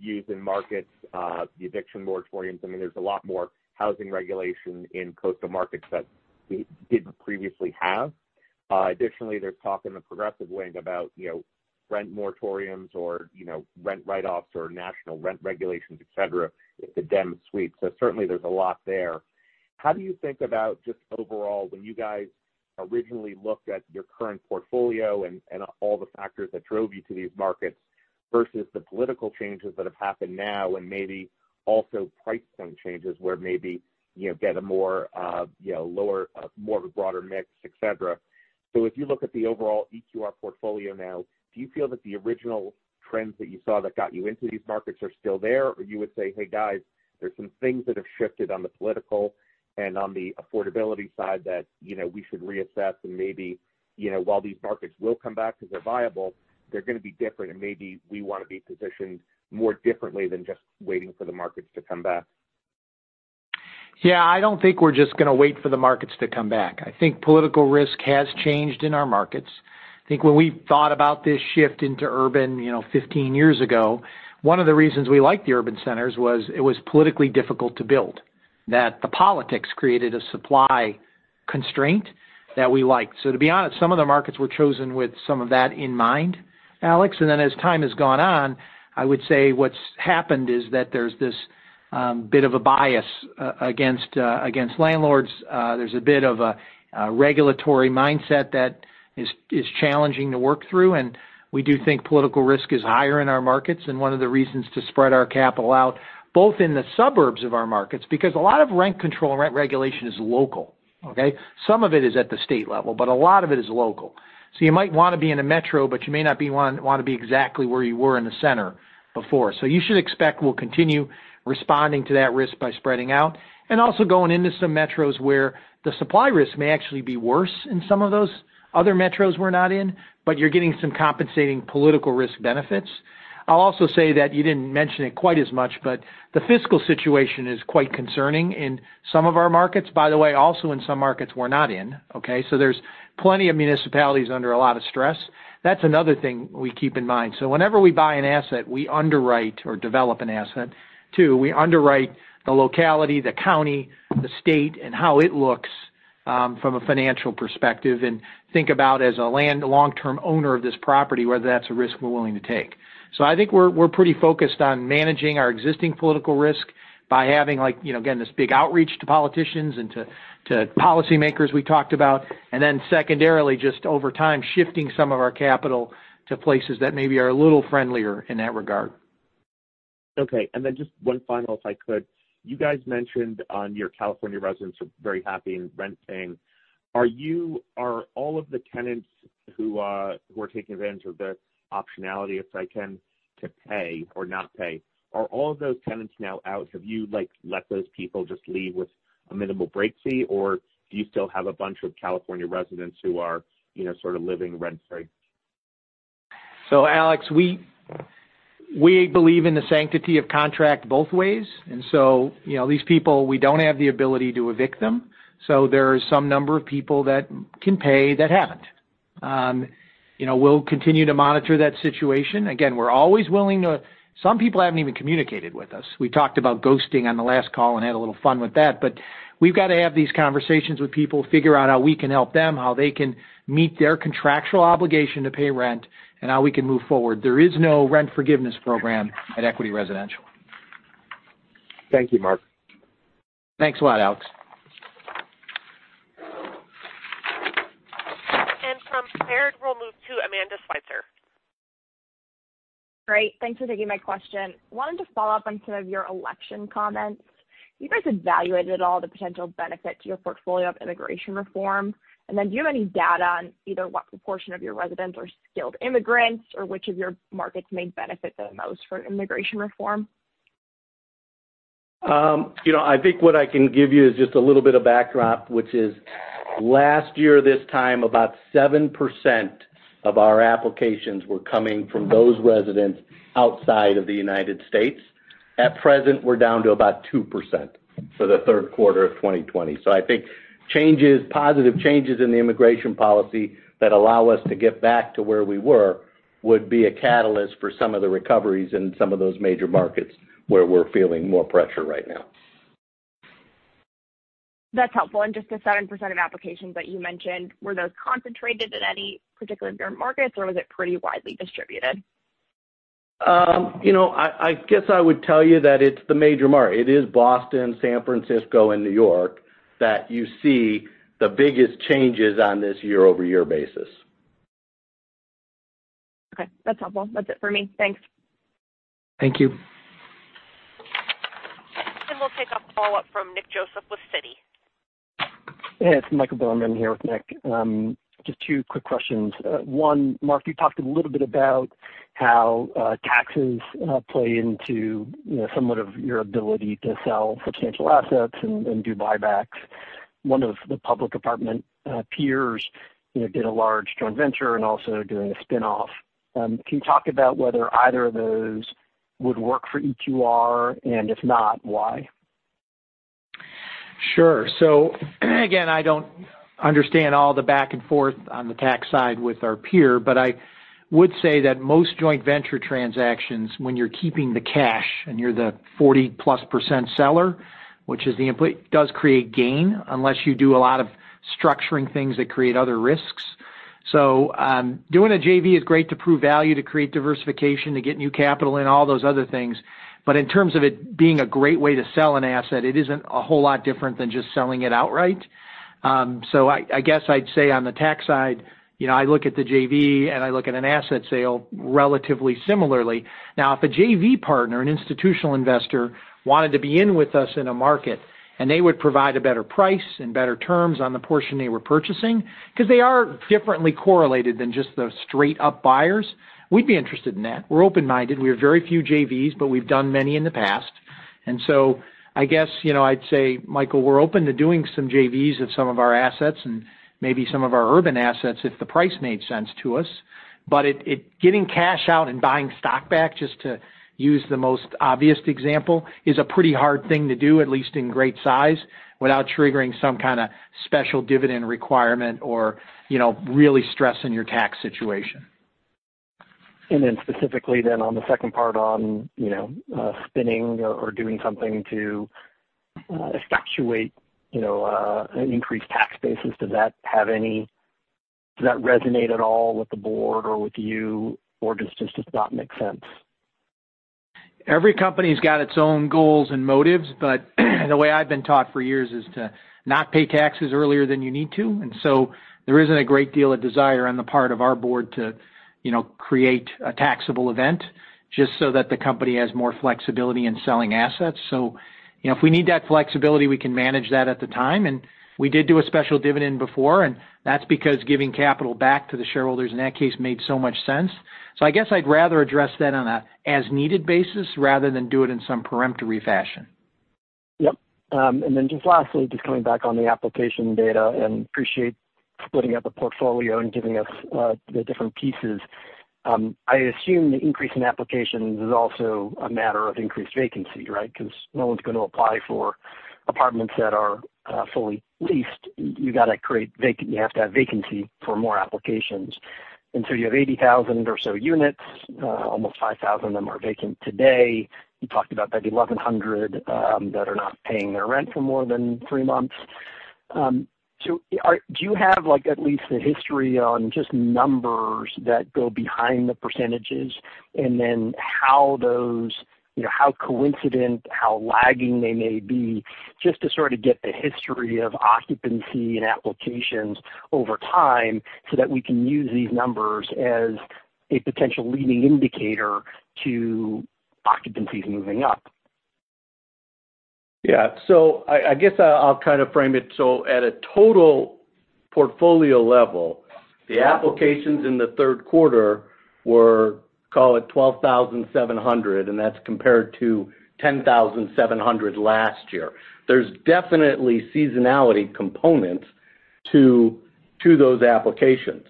views in markets, the eviction moratoriums. There's a lot more housing regulation in coastal markets that we didn't previously have. Additionally, there's talk in the progressive wing about rent moratoriums or rent write-offs or national rent regulations, et cetera, if the Dems sweep. Certainly there's a lot there. How do you think about just overall when you guys originally looked at your current portfolio and all the factors that drove you to these markets versus the political changes that have happened now and maybe also price point changes where maybe you get a more broader mix, et cetera. If you look at the overall EQR portfolio now, do you feel that the original trends that you saw that got you into these markets are still there? Or you would say, "Hey guys, there's some things that have shifted on the political and on the affordability side that we should reassess and maybe, while these markets will come back because they're viable, they're going to be different and maybe we want to be positioned more differently than just waiting for the markets to come back. Yeah. I don't think we're just going to wait for the markets to come back. I think political risk has changed in our markets. I think when we thought about this shift into urban 15 years ago, one of the reasons we liked the urban centers was it was politically difficult to build. That the politics created a supply constraint that we liked. To be honest, some of the markets were chosen with some of that in mind, Alex. As time has gone on, I would say what's happened is that there's this bit of a bias against landlords. There's a bit of a regulatory mindset that is challenging to work through, and we do think political risk is higher in our markets and one of the reasons to spread our capital out, both in the suburbs of our markets, because a lot of rent control and rent regulation is local. Okay? Some of it is at the state level, but a lot of it is local. You might want to be in a metro, but you may not want to be exactly where you were in the center before. You should expect we'll continue responding to that risk by spreading out and also going into some metros where the supply risk may actually be worse in some of those other metros we're not in, but you're getting some compensating political risk benefits. I'll also say that you didn't mention it quite as much, the fiscal situation is quite concerning in some of our markets. By the way, also in some markets we're not in. Okay? There's plenty of municipalities under a lot of stress. That's another thing we keep in mind. Whenever we buy an asset, we underwrite or develop an asset too. We underwrite the locality, the county, the state, and how it looks from a financial perspective, and think about as a long-term owner of this property, whether that's a risk we're willing to take. I think we're pretty focused on managing our existing political risk by having, again, this big outreach to politicians and to policymakers we talked about. Secondarily, just over time, shifting some of our capital to places that maybe are a little friendlier in that regard. Okay. Just one final, if I could. You guys mentioned on your California residents are very happy in renting. Are all of the tenants who are taking advantage of the optionality, if I can, to pay or not pay, now out? Have you let those people just leave with a minimal break fee, or do you still have a bunch of California residents who are sort of living rent-free? Alex, we believe in the sanctity of contract both ways, these people, we don't have the ability to evict them. There is some number of people that can pay that haven't. We'll continue to monitor that situation. Some people haven't even communicated with us. We talked about ghosting on the last call and had a little fun with that. We've got to have these conversations with people, figure out how we can help them, how they can meet their contractual obligation to pay rent, and how we can move forward. There is no rent forgiveness program at Equity Residential. Thank you, Mark. Thanks a lot, Alex. From Baird, we'll move to Amanda Sweitzer. Great. Thanks for taking my question. Wanted to follow up on some of your election comments. Have you guys evaluated at all the potential benefit to your portfolio of immigration reform? Do you have any data on either what proportion of your residents are skilled immigrants or which of your markets may benefit the most from immigration reform? I think what I can give you is just a little bit of backdrop, which is last year this time, about 7% of our applications were coming from those residents outside of the U.S. At present, we're down to about 2% for the third quarter of 2020. I think positive changes in the immigration policy that allow us to get back to where we were would be a catalyst for some of the recoveries in some of those major markets where we're feeling more pressure right now. That's helpful. Just the 7% of applications that you mentioned, were those concentrated in any particular of your markets, or was it pretty widely distributed? I guess I would tell you that it's the major market. It is Boston, San Francisco, and New York that you see the biggest changes on this year-over-year basis. Okay. That's helpful. That's it for me. Thanks. Thank you. We'll take a follow-up from Nick Joseph with Citi. Hey, it's Michael Bilerman here with Nick. Just two quick questions. One, Mark, you talked a little bit about how taxes play into somewhat of your ability to sell substantial assets and do buybacks. One of the public apartment peers did a large joint venture and also doing a spinoff. Can you talk about whether either of those would work for EQR, and if not, why? Sure. Again, I don't understand all the back and forth on the tax side with our peer, but I would say that most joint venture transactions, when you're keeping the cash and you're the 40%-plus seller, which is the input, does create gain unless you do a lot of structuring things that create other risks. Doing a JV is great to prove value, to create diversification, to get new capital in, all those other things. In terms of it being a great way to sell an asset, it isn't a whole lot different than just selling it outright. I guess I'd say on the tax side, I look at the JV and I look at an asset sale relatively similarly. If a JV partner, an institutional investor, wanted to be in with us in a market and they would provide a better price and better terms on the portion they were purchasing, because they are differently correlated than just the straight-up buyers, we'd be interested in that. We're open-minded. We have very few JVs, but we've done many in the past. I guess I'd say, Michael, we're open to doing some JVs of some of our assets and maybe some of our urban assets if the price made sense to us. Getting cash out and buying stock back, just to use the most obvious example, is a pretty hard thing to do, at least in great size, without triggering some kind of special dividend requirement or really stressing your tax situation. Specifically then on the second part on spinning or doing something to effectuate an increased tax basis, does that resonate at all with the board or with you, or does it just not make sense? Every company's got its own goals and motives, but the way I've been taught for years is to not pay taxes earlier than you need to. There isn't a great deal of desire on the part of our board to create a taxable event just so that the company has more flexibility in selling assets. If we need that flexibility, we can manage that at the time. We did do a special dividend before, and that's because giving capital back to the shareholders in that case made so much sense. I guess I'd rather address that on an as-needed basis rather than do it in some peremptory fashion. Yep. Then just lastly, just coming back on the application data, and appreciate splitting up the portfolio and giving us the different pieces. I assume the increase in applications is also a matter of increased vacancy, right? Because no one's going to apply for apartments that are fully leased. You have to have vacancy for more applications. So you have 80,000 or so units. Almost 5,000 of them are vacant today. You talked about that 1,100 that are not paying their rent for more than three months. Do you have at least a history on just numbers that go behind the percentages, and then how coincident, how lagging they may be, just to sort of get the history of occupancy and applications over time so that we can use these numbers as a potential leading indicator to occupancies moving up? Yeah. I guess I'll kind of frame it. At a total portfolio level, the applications in the third quarter were, call it 12,700, and that's compared to 10,700 last year. There's definitely seasonality component to those applications.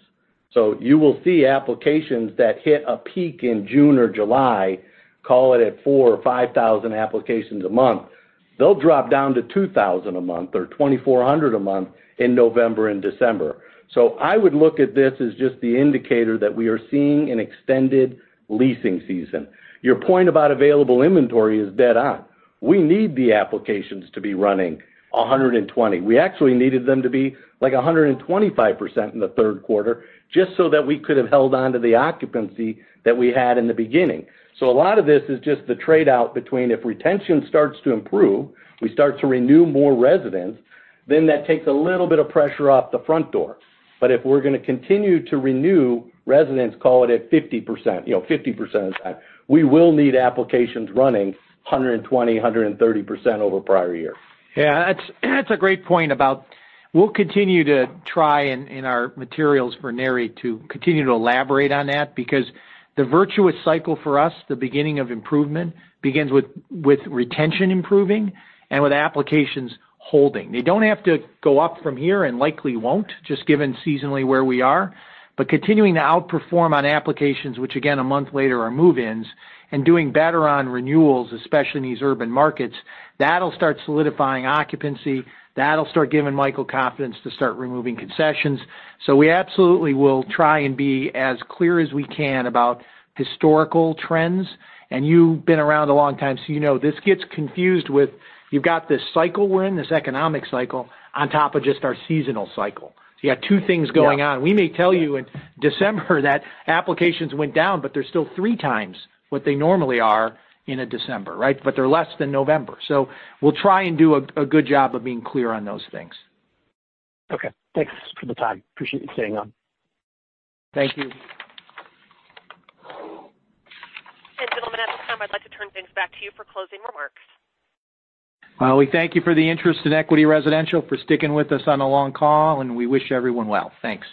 You will see applications that hit a peak in June or July, call it at 4,000 or 5,000 applications a month. They'll drop down to 2,000 a month or 2,400 a month in November and December. I would look at this as just the indicator that we are seeing an extended leasing season. Your point about available inventory is dead on. We need the applications to be running 120%. We actually needed them to be like 125% in the third quarter just so that we could have held onto the occupancy that we had in the beginning. A lot of this is just the trade-out between if retention starts to improve, we start to renew more residents, then that takes a little bit of pressure off the front door. If we're going to continue to renew residents, call it at 50%, 50% of the time, we will need applications running 120, 130% over prior year. Yeah. That's a great point about we'll continue to try in our materials for NAREIT to continue to elaborate on that because the virtuous cycle for us, the beginning of improvement, begins with retention improving and with applications holding. They don't have to go up from here and likely won't, just given seasonally where we are. Continuing to outperform on applications, which again, a month later are move-ins, and doing better on renewals, especially in these urban markets, that'll start solidifying occupancy. That'll start giving Michael confidence to start removing concessions. We absolutely will try and be as clear as we can about historical trends. You've been around a long time, so you know this gets confused with you've got this cycle we're in, this economic cycle, on top of just our seasonal cycle. You got two things going on. Yeah. We may tell you in December that applications went down, but they're still three times what they normally are in a December, right? They're less than November. We'll try and do a good job of being clear on those things. Okay. Thanks for the time. Appreciate you staying on. Thank you. Gentlemen, at this time, I'd like to turn things back to you for closing remarks. Well, we thank you for the interest in Equity Residential, for sticking with us on a long call, and we wish everyone well. Thanks.